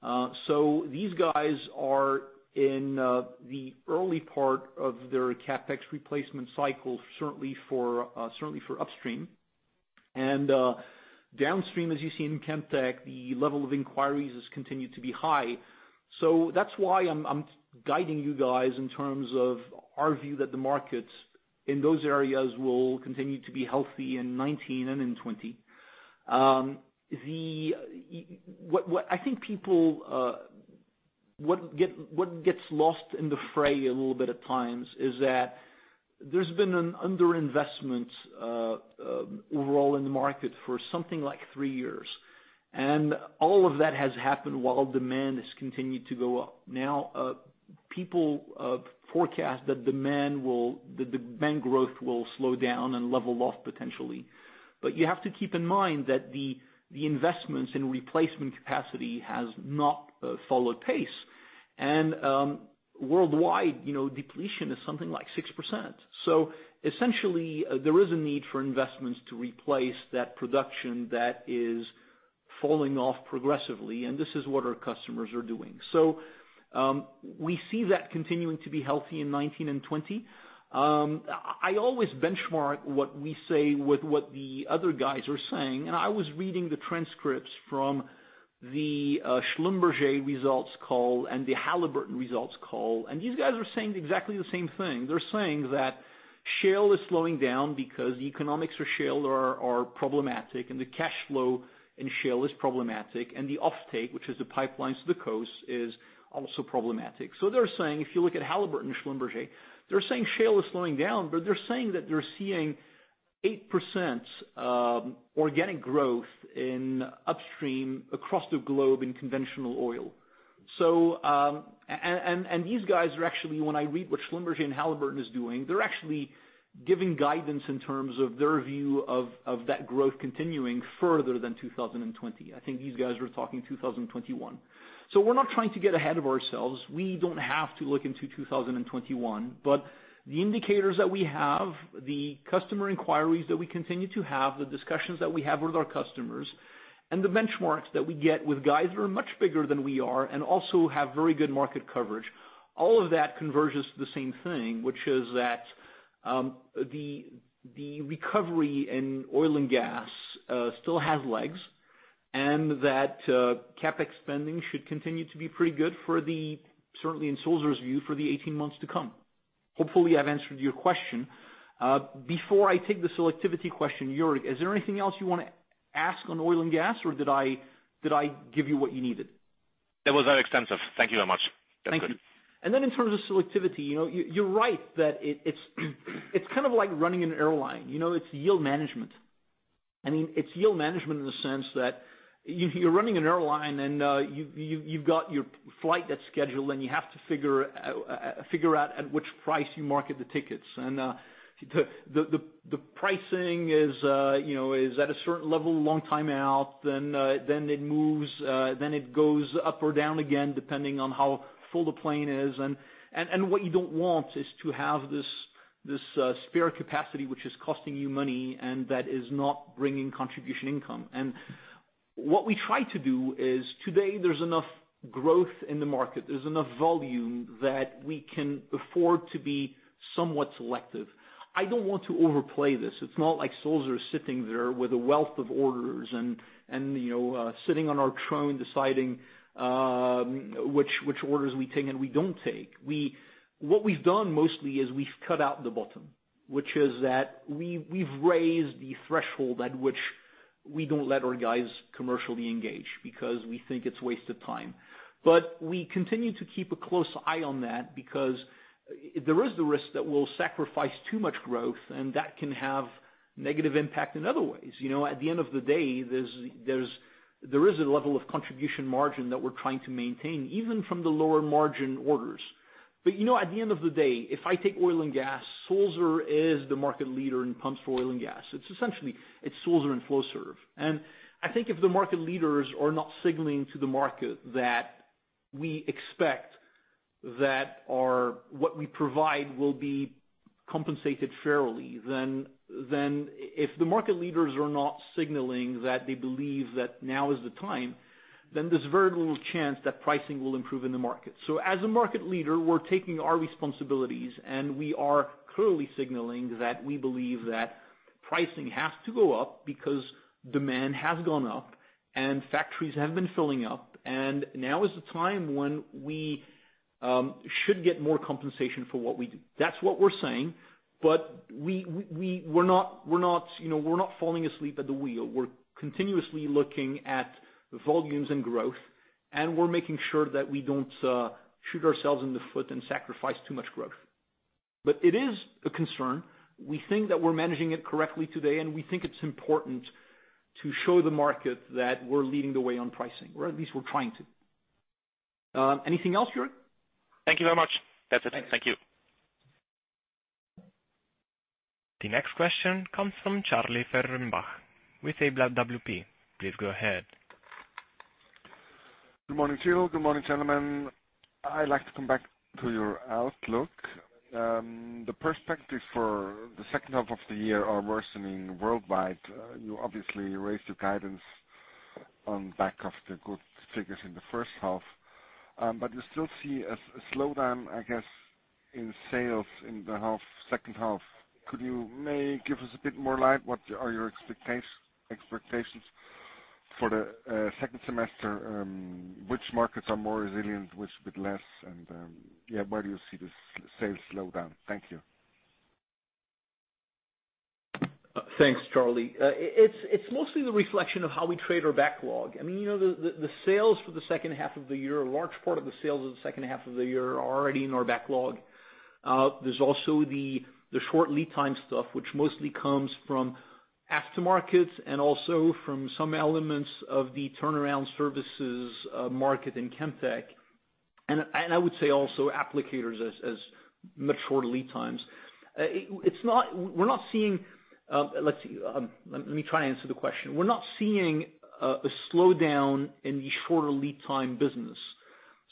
These guys are in the early part of their CapEx replacement cycle, certainly for upstream. Downstream, as you see in Chemtech, the level of inquiries has continued to be high. That's why I'm guiding you guys in terms of our view that the markets in those areas will continue to be healthy in 2019 and in 2020. What gets lost in the fray a little bit at times is that there's been an underinvestment overall in the market for something like three years, and all of that has happened while demand has continued to go up. Now, people forecast that the demand growth will slow down and level off potentially. You have to keep in mind that the investments in replacement capacity has not followed pace. Worldwide depletion is something like 6%. Essentially, there is a need for investments to replace that production that is falling off progressively, and this is what our customers are doing. We see that continuing to be healthy in 2019 and 2020. I always benchmark what we say with what the other guys are saying. I was reading the transcripts from the Schlumberger results call and the Halliburton results call. These guys are saying exactly the same thing. They're saying that shale is slowing down because the economics for shale are problematic and the cash flow in shale is problematic, and the offtake, which is the pipelines to the coast, is also problematic. They're saying, if you look at Halliburton and Schlumberger, they're saying shale is slowing down, but they're saying that they're seeing 8% organic growth in upstream across the globe in conventional oil. These guys are actually, when I read what Schlumberger and Halliburton is doing, they're actually giving guidance in terms of their view of that growth continuing further than 2020. I think these guys are talking 2021. We're not trying to get ahead of ourselves. We don't have to look into 2021. The indicators that we have, the customer inquiries that we continue to have, the discussions that we have with our customers, and the benchmarks that we get with guys who are much bigger than we are and also have very good market coverage, all of that converges to the same thing, which is that the recovery in oil and gas still has legs, and that CapEx spending should continue to be pretty good for the, certainly in Sulzer's view, for the 18 months to come. Hopefully, I've answered your question. Before I take the selectivity question, Jörg, is there anything else you want to ask on oil and gas, or did I give you what you needed? That was very extensive. Thank you very much. That's good. Thank you. In terms of selectivity, you're right that it's kind of like running an airline. It's yield management. It's yield management in the sense that you're running an airline and you've got your flight that's scheduled, and you have to figure out at which price you market the tickets. The pricing is at a certain level a long time out, then it goes up or down again, depending on how full the plane is. What you don't want is to have this spare capacity, which is costing you money, and that is not bringing contribution income. What we try to do is today there's enough growth in the market, there's enough volume that we can afford to be somewhat selective. I don't want to overplay this. It's not like Sulzer is sitting there with a wealth of orders and sitting on our throne deciding which orders we take and we don't take. What we've done mostly is we've cut out the bottom, which is that we've raised the threshold at which we don't let our guys commercially engage, because we think it's wasted time. We continue to keep a close eye on that, because there is the risk that we'll sacrifice too much growth, and that can have negative impact in other ways. At the end of the day, there is a level of contribution margin that we're trying to maintain, even from the lower margin orders. At the end of the day, if I take oil and gas, Sulzer is the market leader in pumps for oil and gas. It's essentially Sulzer and Flowserve. I think if the market leaders are not signaling to the market that we expect that what we provide will be compensated fairly. If the market leaders are not signaling that they believe that now is the time, then there's very little chance that pricing will improve in the market. As a market leader, we're taking our responsibilities, and we are clearly signaling that we believe that pricing has to go up because demand has gone up, and factories have been filling up. Now is the time when we should get more compensation for what we do. That's what we're saying. We're not falling asleep at the wheel. We're continuously looking at volumes and growth, and we're making sure that we don't shoot ourselves in the foot and sacrifice too much growth. It is a concern. We think that we're managing it correctly today, we think it's important to show the market that we're leading the way on pricing, at least we're trying to. Anything else, Jörg? Thank you very much. That's it. Thank you. The next question comes from Charlie Fehrenbach with AWP. Please go ahead. Good morning to you. Good morning, gentlemen. I'd like to come back to your outlook. The perspectives for the second half of the year are worsening worldwide. You obviously raised your guidance on back of the good figures in the first half. You still see a slowdown, I guess, in sales in the second half. Could you maybe give us a bit more light? What are your expectations for the second semester? Which markets are more resilient, which a bit less, and where do you see the sales slow down? Thank you. Thanks, Charlie. It's mostly the reflection of how we trade our backlog. The sales for the second half of the year, a large part of the sales of the second half of the year are already in our backlog. There's also the short lead time stuff, which mostly comes from aftermarkets and also from some elements of the turnaround services market in Chemtech. I would say also applicators as mature lead times. Let me try and answer the question. We're not seeing a slowdown in the shorter lead time business,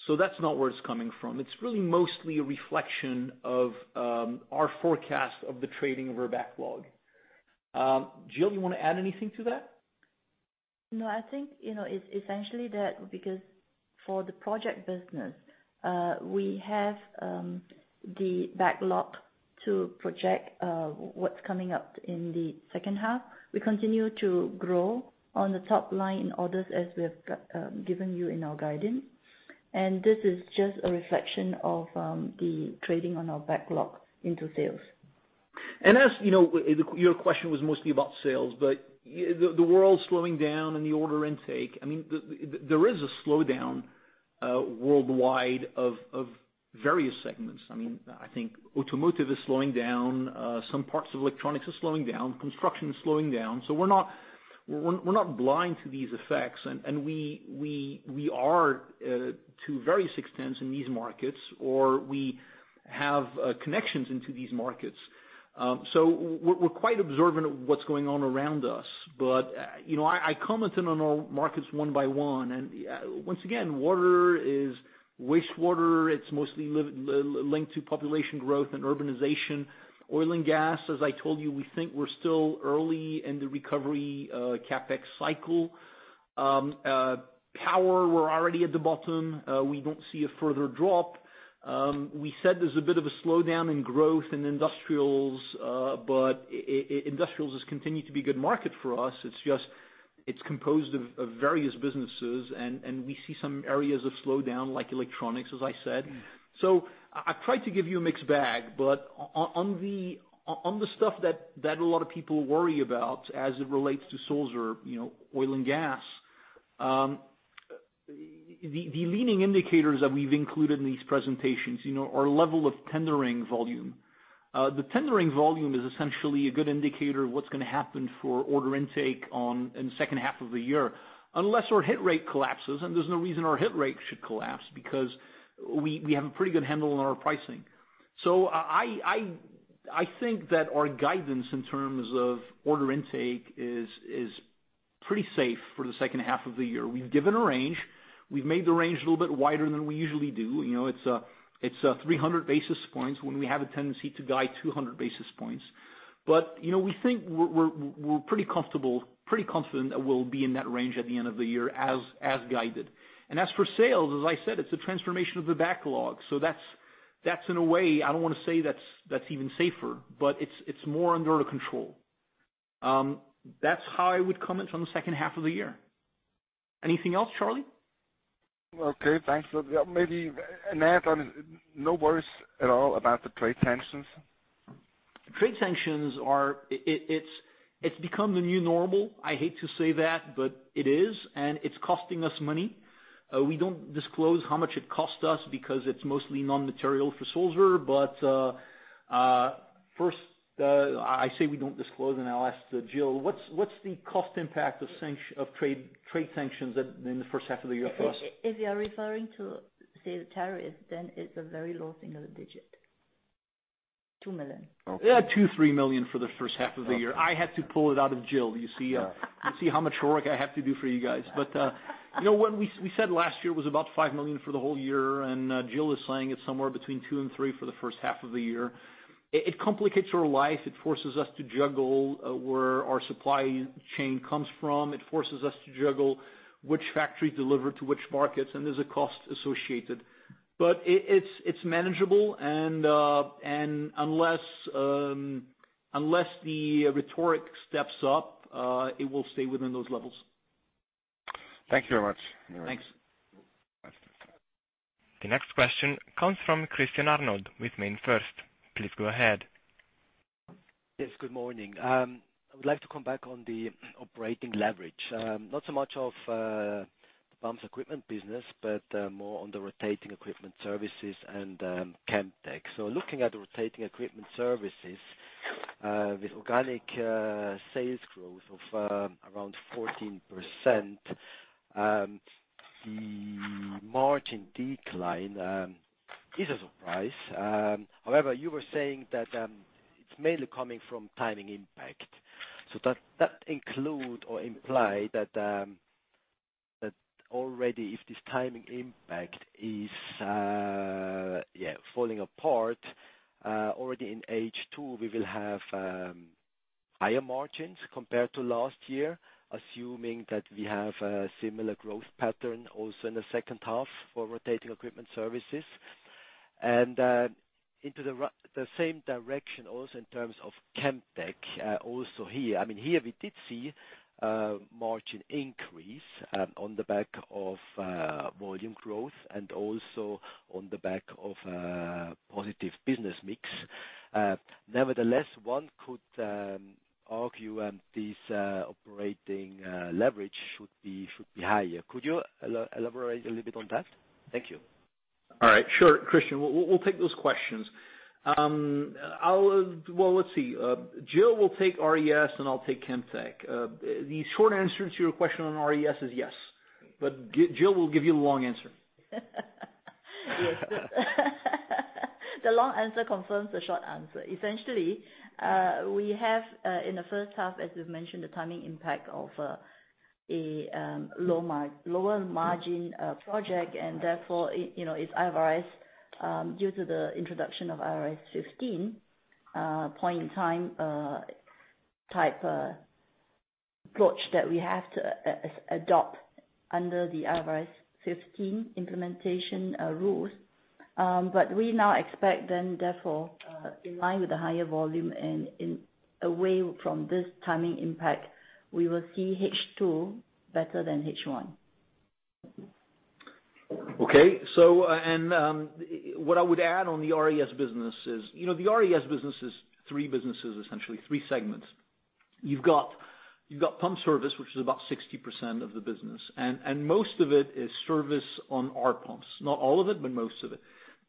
so that's not where it's coming from. It's really mostly a reflection of our forecast of the trading of our backlog. Jill, you want to add anything to that? No, I think, it's essentially that because for the project business, we have the backlog to project what's coming up in the second half. We continue to grow on the top line in orders as we have given you in our guidance. This is just a reflection of the trading on our backlog into sales. As you know, your question was mostly about sales, but the world's slowing down and the order intake, there is a slowdown worldwide of various segments. I think automotive is slowing down. Some parts of electronics are slowing down. Construction is slowing down. We're not blind to these effects, and we are to various extents in these markets, or we have connections into these markets. We're quite observant of what's going on around us. I commented on our markets one by one, and once again, water is wastewater. It's mostly linked to population growth and urbanization. Oil and gas, as I told you, we think we're still early in the recovery, CapEx cycle. Power, we're already at the bottom. We don't see a further drop. We said there's a bit of a slowdown in growth in industrials, but industrials has continued to be a good market for us. It's just, it's composed of various businesses, and we see some areas of slowdown, like electronics, as I said. I tried to give you a mixed bag, but on the stuff that a lot of people worry about as it relates to Sulzer, oil and gas. The leading indicators that we've included in these presentations are level of tendering volume. The tendering volume is essentially a good indicator of what's going to happen for order intake in the second half of the year, unless our hit rate collapses, and there's no reason our hit rate should collapse, because we have a pretty good handle on our pricing. I think that our guidance in terms of order intake is pretty safe for the second half of the year. We've given a range. We've made the range a little bit wider than we usually do. It's 300 basis points when we have a tendency to guide 200 basis points. We think we're pretty confident that we'll be in that range at the end of the year as guided. As for sales, as I said, it's a transformation of the backlog. That's in a way, I don't want to say that's even safer, but it's more under control. That's how I would comment on the second half of the year. Anything else, Charlie? Okay. Thanks. Maybe an add-on. No worries at all about the trade tensions? Trade sanctions, it's become the new normal. I hate to say that, but it is, and it's costing us money. We don't disclose how much it costs us because it's mostly non-material for Sulzer. First, I say we don't disclose, and I'll ask Jill, what's the cost impact of trade sanctions in the first half of the year for us? If you are referring to, say, the tariff, then it's a very low single digit 2 million. Yeah, 2 million, 3 million for the first half of the year. I had to pull it out of Jill, you see? You see how much work I have to do for you guys. We said last year it was about 5 million for the whole year. Jill is saying it's somewhere between CHF two and three for the first half of the year. It complicates our life. It forces us to juggle where our supply chain comes from. It forces us to juggle which factory deliver to which markets. There's a cost associated. It's manageable and unless the rhetoric steps up, it will stay within those levels. Thank you very much. Thanks. The next question comes from Christian Arnold with MainFirst. Please go ahead. Yes, good morning. I would like to come back on the operating leverage. Not so much of pumps equipment business, but more on the Rotating Equipment Services and Chemtech. Looking at Rotating Equipment Services, with organic sales growth of around 14%, the margin decline is a surprise. However, you were saying that it's mainly coming from timing impact. Does that include or imply that already if this timing impact is falling apart, already in H2 we will have higher margins compared to last year, assuming that we have a similar growth pattern also in the second half for Rotating Equipment Services. Into the same direction also in terms of Chemtech, also here. Here we did see a margin increase on the back of volume growth and also on the back of positive business mix. Nevertheless, one could argue this operating leverage should be higher. Could you elaborate a little bit on that? Thank you. All right. Sure, Christian. We'll take those questions. Well, let's see. Jill will take RES, and I'll take Chemtech. The short answer to your question on RES is yes. Jill will give you the long answer. Yes. The long answer confirms the short answer. Essentially, we have in the first half, as we've mentioned, the timing impact of a lower margin project, and therefore, it's IFRS due to the introduction of IFRS 15, point-in-time type approach that we have to adopt under the IFRS 15 implementation rules. We now expect them, therefore, in line with the higher volume and away from this timing impact, we will see H2 better than H1. Okay. What I would add on the RES business is, the RES business is three businesses, essentially, three segments. You've got pump service, which is about 60% of the business, and most of it is service on our pumps. Not all of it, most of it.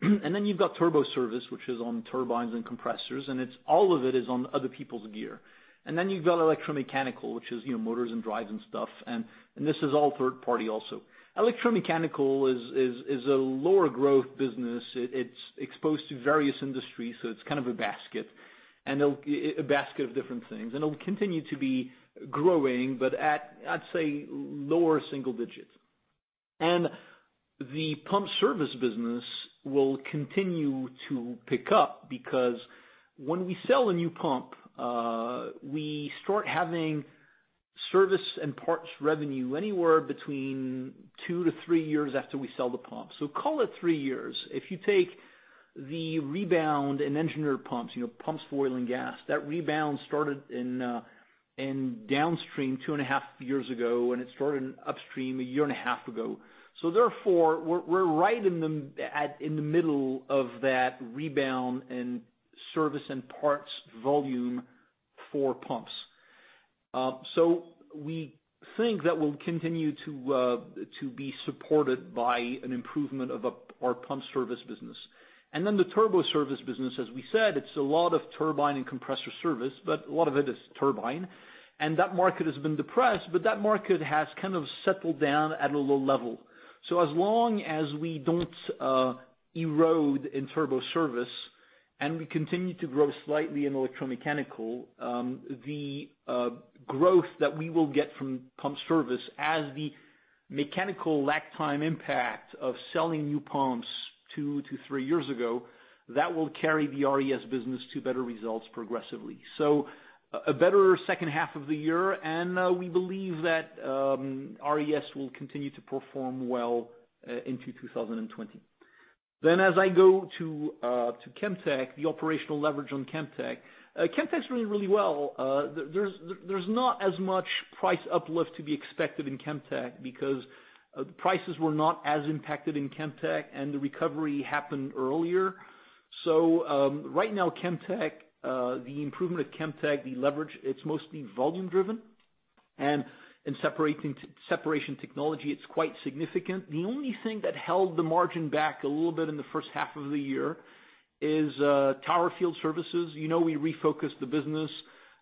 You've got turbo service, which is on turbines and compressors, and it's all of it is on other people's gear. You've got electromechanical, which is motors and drives and stuff. This is all third party also. Electromechanical is a lower growth business. It's exposed to various industries, so it's kind of a basket of different things. It'll continue to be growing, but at, I'd say, lower single digits. The pump service business will continue to pick up, because when we sell a new pump, we start having service and parts revenue anywhere between two to three years after we sell the pump. Call it three years. If you take the rebound in engineered pumps for oil and gas, that rebound started in downstream two and a half years ago, and it started in upstream a year and a half ago. Therefore, we're right in the middle of that rebound in service and parts volume for pumps. We think that we'll continue to be supported by an improvement of our pump service business. The turbo service business, as we said, it's a lot of turbine and compressor service, but a lot of it is turbine. That market has been depressed, that market has kind of settled down at a low level. As long as we don't erode in turbo service and we continue to grow slightly in electromechanical, the growth that we will get from pump service as the mechanical lag time impact of selling new pumps two to three years ago, that will carry the RES business to better results progressively. A better second half of the year, we believe that RES will continue to perform well into 2020. As I go to Chemtech, the operational leverage on Chemtech. Chemtech's doing really well. There's not as much price uplift to be expected in Chemtech because prices were not as impacted in Chemtech and the recovery happened earlier. Right now, the improvement of Chemtech, the leverage, it's mostly volume driven. In separation technology, it's quite significant. The only thing that held the margin back a little bit in the first half of the year is Tower Field Services. We refocused the business.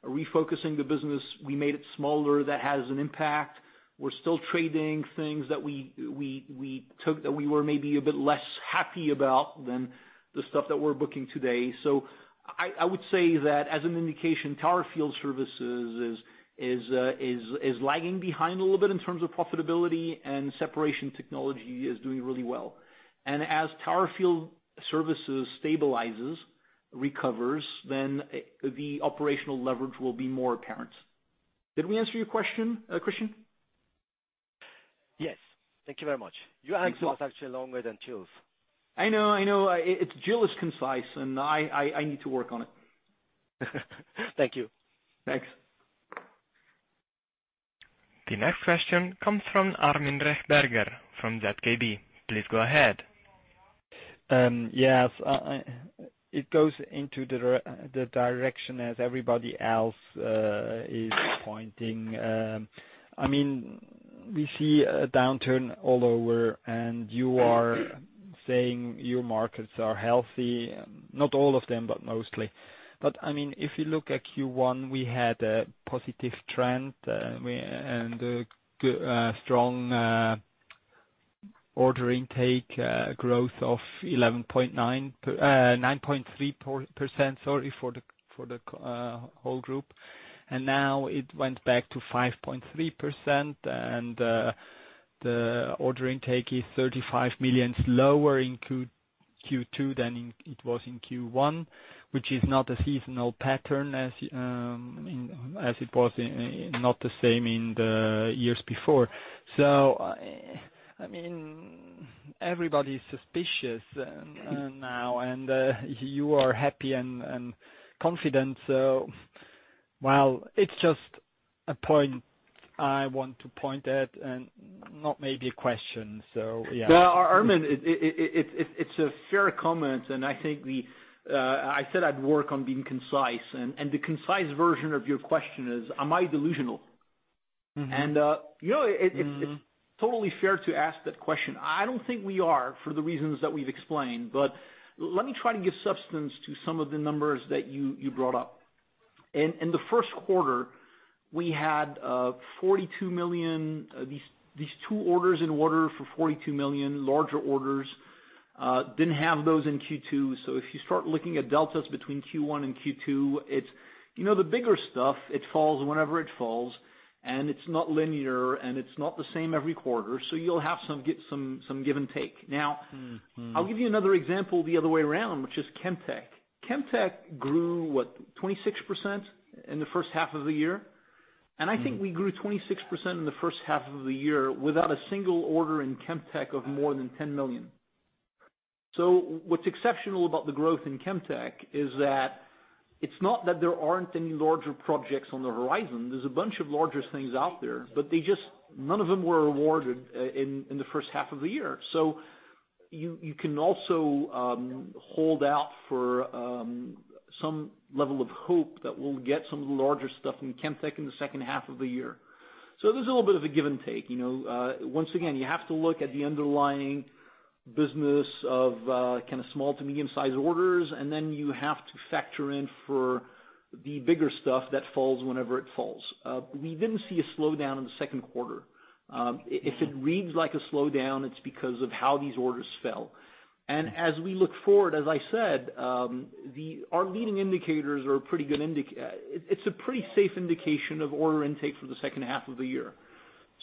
Refocusing the business, we made it smaller. That has an impact. We're still trading things that we took that we were maybe a bit less happy about than the stuff that we're booking today. I would say that as an indication, Tower Field Services is lagging behind a little bit in terms of profitability, and Separation Technology is doing really well. As Tower Field Services stabilizes, recovers, then the operational leverage will be more apparent. Did we answer your question, Christian? Yes. Thank you very much. Thanks so much. Your answer was actually longer than Jill's. I know. Jill is concise, and I need to work on it. Thank you. Thanks. The next question comes from Armin Rechberger, from ZKB. Please go ahead. Yes. It goes into the direction as everybody else is pointing. We see a downturn all over and you are saying your markets are healthy, not all of them, but mostly. If you look at Q1, we had a positive trend, and a strong order intake growth of 9.3% for the whole group. Now it went back to 5.3% and the order intake is 35 million lower in Q2 than it was in Q1, which is not a seasonal pattern as it was not the same in the years before. Everybody is suspicious now and you are happy and confident. Well, it's just a point I want to point at and not maybe a question. Yeah. Well, Armin, it's a fair comment and I said I'd work on being concise, and the concise version of your question is, am I delusional? It's totally fair to ask that question. I don't think we are for the reasons that we've explained, but let me try to give substance to some of the numbers that you brought up. In the first quarter, we had these two orders in order for 42 million larger orders, didn't have those in Q2. If you start looking at deltas between Q1 and Q2, the bigger stuff, it falls whenever it falls, and it's not linear and it's not the same every quarter, so you'll have some give and take. I'll give you another example the other way around, which is Chemtech. Chemtech grew, what? 26% in the first half of the year. I think we grew 26% in the first half of the year without a single order in Chemtech of more than 10 million. What's exceptional about the growth in Chemtech is that it's not that there aren't any larger projects on the horizon. There's a bunch of larger things out there, but none of them were awarded in the first half of the year. You can also hold out for some level of hope that we'll get some larger stuff in Chemtech in the second half of the year. There's a little bit of a give and take. You have to look at the underlying business of small to medium-sized orders, and then you have to factor in for the bigger stuff that falls whenever it falls. We didn't see a slowdown in the second quarter. If it reads like a slowdown, it's because of how these orders fell. As we look forward, as I said, our leading indicators, it's a pretty safe indication of order intake for the second half of the year.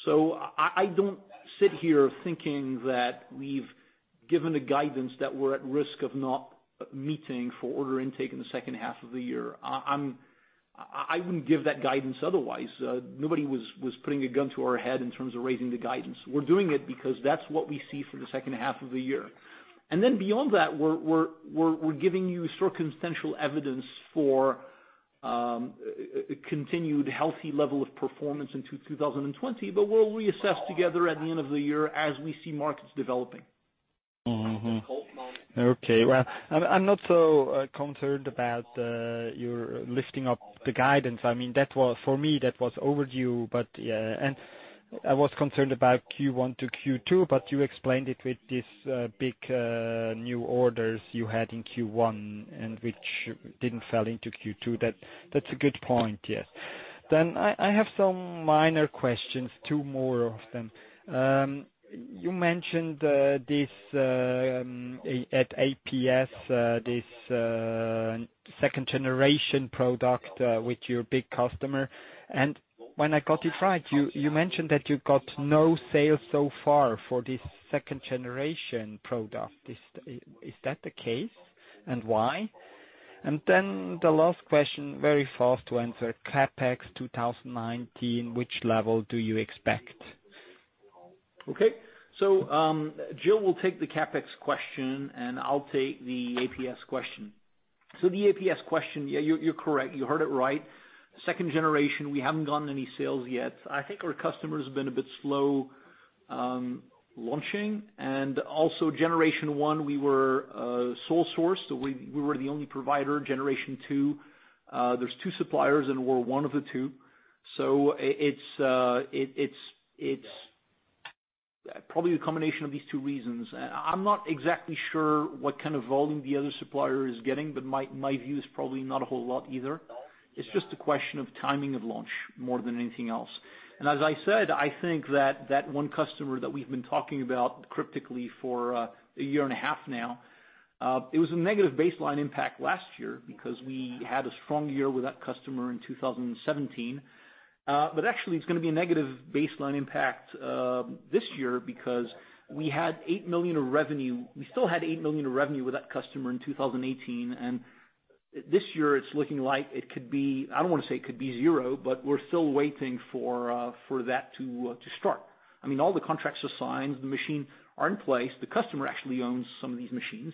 I don't sit here thinking that we've given the guidance that we're at risk of not meeting for order intake in the second half of the year. I wouldn't give that guidance otherwise. Nobody was putting a gun to our head in terms of raising the guidance. We're doing it because that's what we see for the second half of the year. Beyond that, we're giving you circumstantial evidence for continued healthy level of performance into 2020, but we'll reassess together at the end of the year as we see markets developing. Okay. Well, I'm not so concerned about your lifting up the guidance. I was concerned about Q1 to Q2, but you explained it with these big new orders you had in Q1 and which didn't fell into Q2. That's a good point, yes. I have some minor questions, two more of them. You mentioned at APS, this second generation product with your big customer. When I got it right, you mentioned that you got no sales so far for this second generation product. Is that the case, and why? The last question, very fast to answer, CapEx 2019, which level do you expect? Okay. Jill will take the CapEx question and I'll take the APS question. The APS question, yeah, you're correct. You heard it right. Second generation, we haven't gotten any sales yet. I think our customers have been a bit slow launching, and also generation 1, we were sole source. We were the only provider. Generation 2, there's two suppliers and we're one of the two. It's probably a combination of these two reasons. I'm not exactly sure what kind of volume the other supplier is getting, but my view is probably not a whole lot either. It's just a question of timing of launch more than anything else. As I said, I think that that one customer that we've been talking about cryptically for a year and a half now, it was a negative baseline impact last year because we had a strong year with that customer in 2017. Actually, it's going to be a negative baseline impact this year because we still had 8 million of revenue with that customer in 2018. This year it's looking like it could be, I don't want to say it could be zero, but we're still waiting for that to start. All the contracts are signed, the machine are in place. The customer actually owns some of these machines,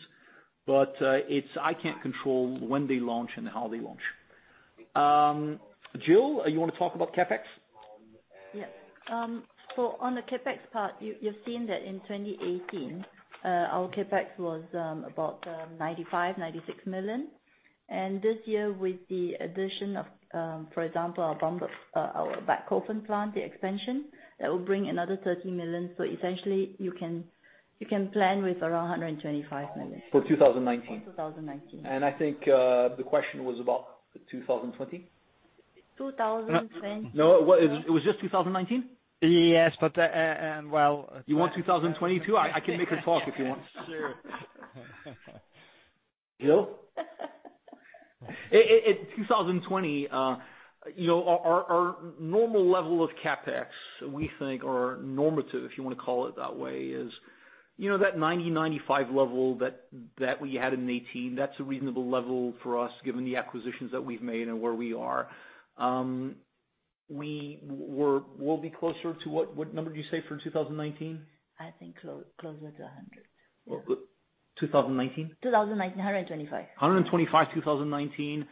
but I can't control when they launch and how they launch. Jill, you want to talk about CapEx? Yes. On the CapEx part, you've seen that in 2018, our CapEx was about 95 million, 96 million. This year with the addition of, for example, our Bechhofen plant, the expansion, that will bring another 30 million. Essentially you can plan with around 125 million. For 2019. For 2019. I think, the question was about 2020. 2020- No, it was just 2019? Yes, but-- You want 2020 too? I can make her talk if you want. Sure. Jill? In 2020, our normal level of CapEx, we think are normative, if you want to call it that way, is that 90 million, 95 million level that we had in 2018. That’s a reasonable level for us given the acquisitions that we’ve made and where we are. We’ll be closer to what number did you say for 2019? I think closer to 100 million. Yeah. 2019? 2019, 125. 125, 2019.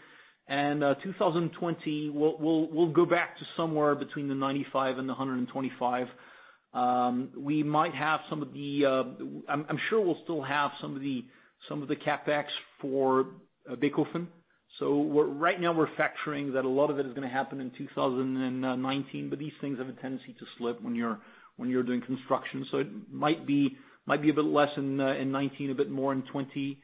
2020, we'll go back to somewhere between the 95 million and the 125 million. I'm sure we'll still have some of the CapEx for Bechhofen. Right now we're factoring that a lot of it is going to happen in 2019, but these things have a tendency to slip when you're doing construction. It might be a bit less in 2019, a bit more in 2020.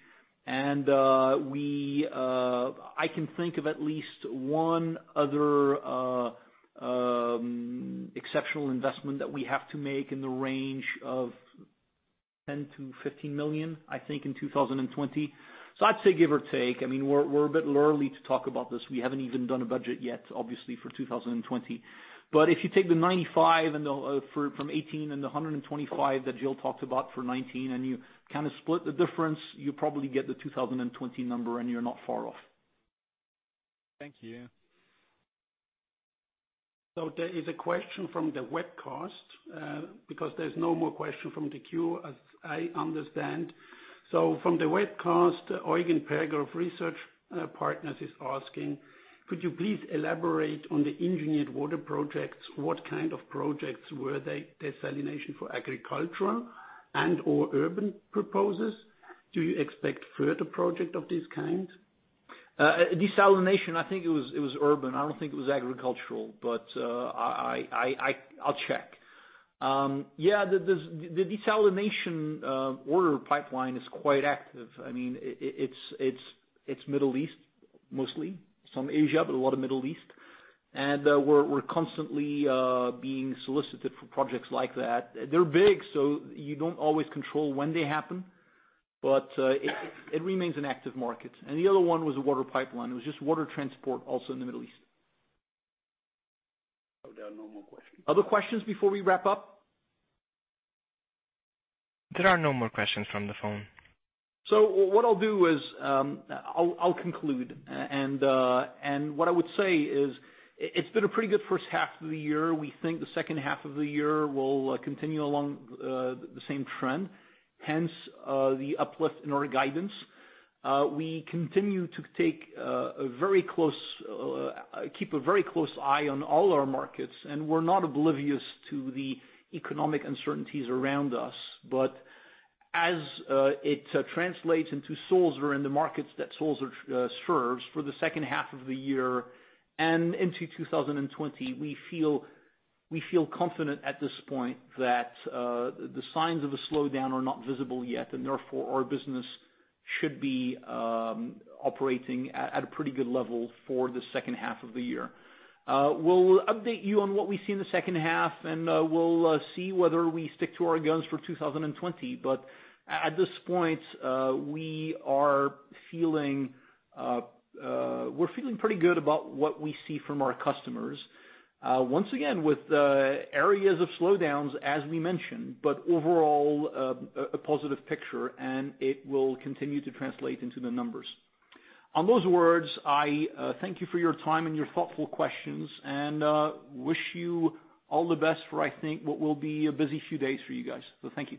I can think of at least one other exceptional investment that we have to make in the range of 10 million-15 million, I think, in 2020. I'd say give or take. We're a bit early to talk about this. We haven't even done a budget yet, obviously, for 2020. If you take the 95 million from 2018 and the 125 million that Jill talked about for 2019, and you kind of split the difference, you probably get the 2020 number, and you're not far off. Thank you. There is a question from the webcast, because there's no more question from the queue as I understand. From the webcast, Eugen Perger of Research Partners is asking, could you please elaborate on the engineered water projects? What kind of projects were they? Desalination for agricultural and/or urban purposes? Do you expect further project of this kind? Desalination, I think it was urban. I don't think it was agricultural, but I'll check. Yeah, the desalination order pipeline is quite active. It's Middle East, mostly. Some Asia, a lot of Middle East. We're constantly being solicited for projects like that. They're big, you don't always control when they happen. It remains an active market. The other one was a water pipeline. It was just water transport, also in the Middle East. There are no more questions. Other questions before we wrap up? There are no more questions from the phone. What I'll do is, I'll conclude. And what I would say is, it's been a pretty good first half of the year. We think the second half of the year will continue along the same trend, hence, the uplift in our guidance. We continue to keep a very close eye on all our markets, and we're not oblivious to the economic uncertainties around us. As it translates into Sulzer and the markets that Sulzer serves for the second half of the year and into 2020, we feel confident at this point that the signs of a slowdown are not visible yet. Therefore, our business should be operating at a pretty good level for the second half of the year. We'll update you on what we see in the second half, and we'll see whether we stick to our guns for 2020 At this point, we're feeling pretty good about what we see from our customers. Once again, with areas of slowdowns as we mentioned, but overall a positive picture and it will continue to translate into the numbers. On those words, I thank you for your time and your thoughtful questions, and wish you all the best for I think what will be a busy few days for you guys. Thank you.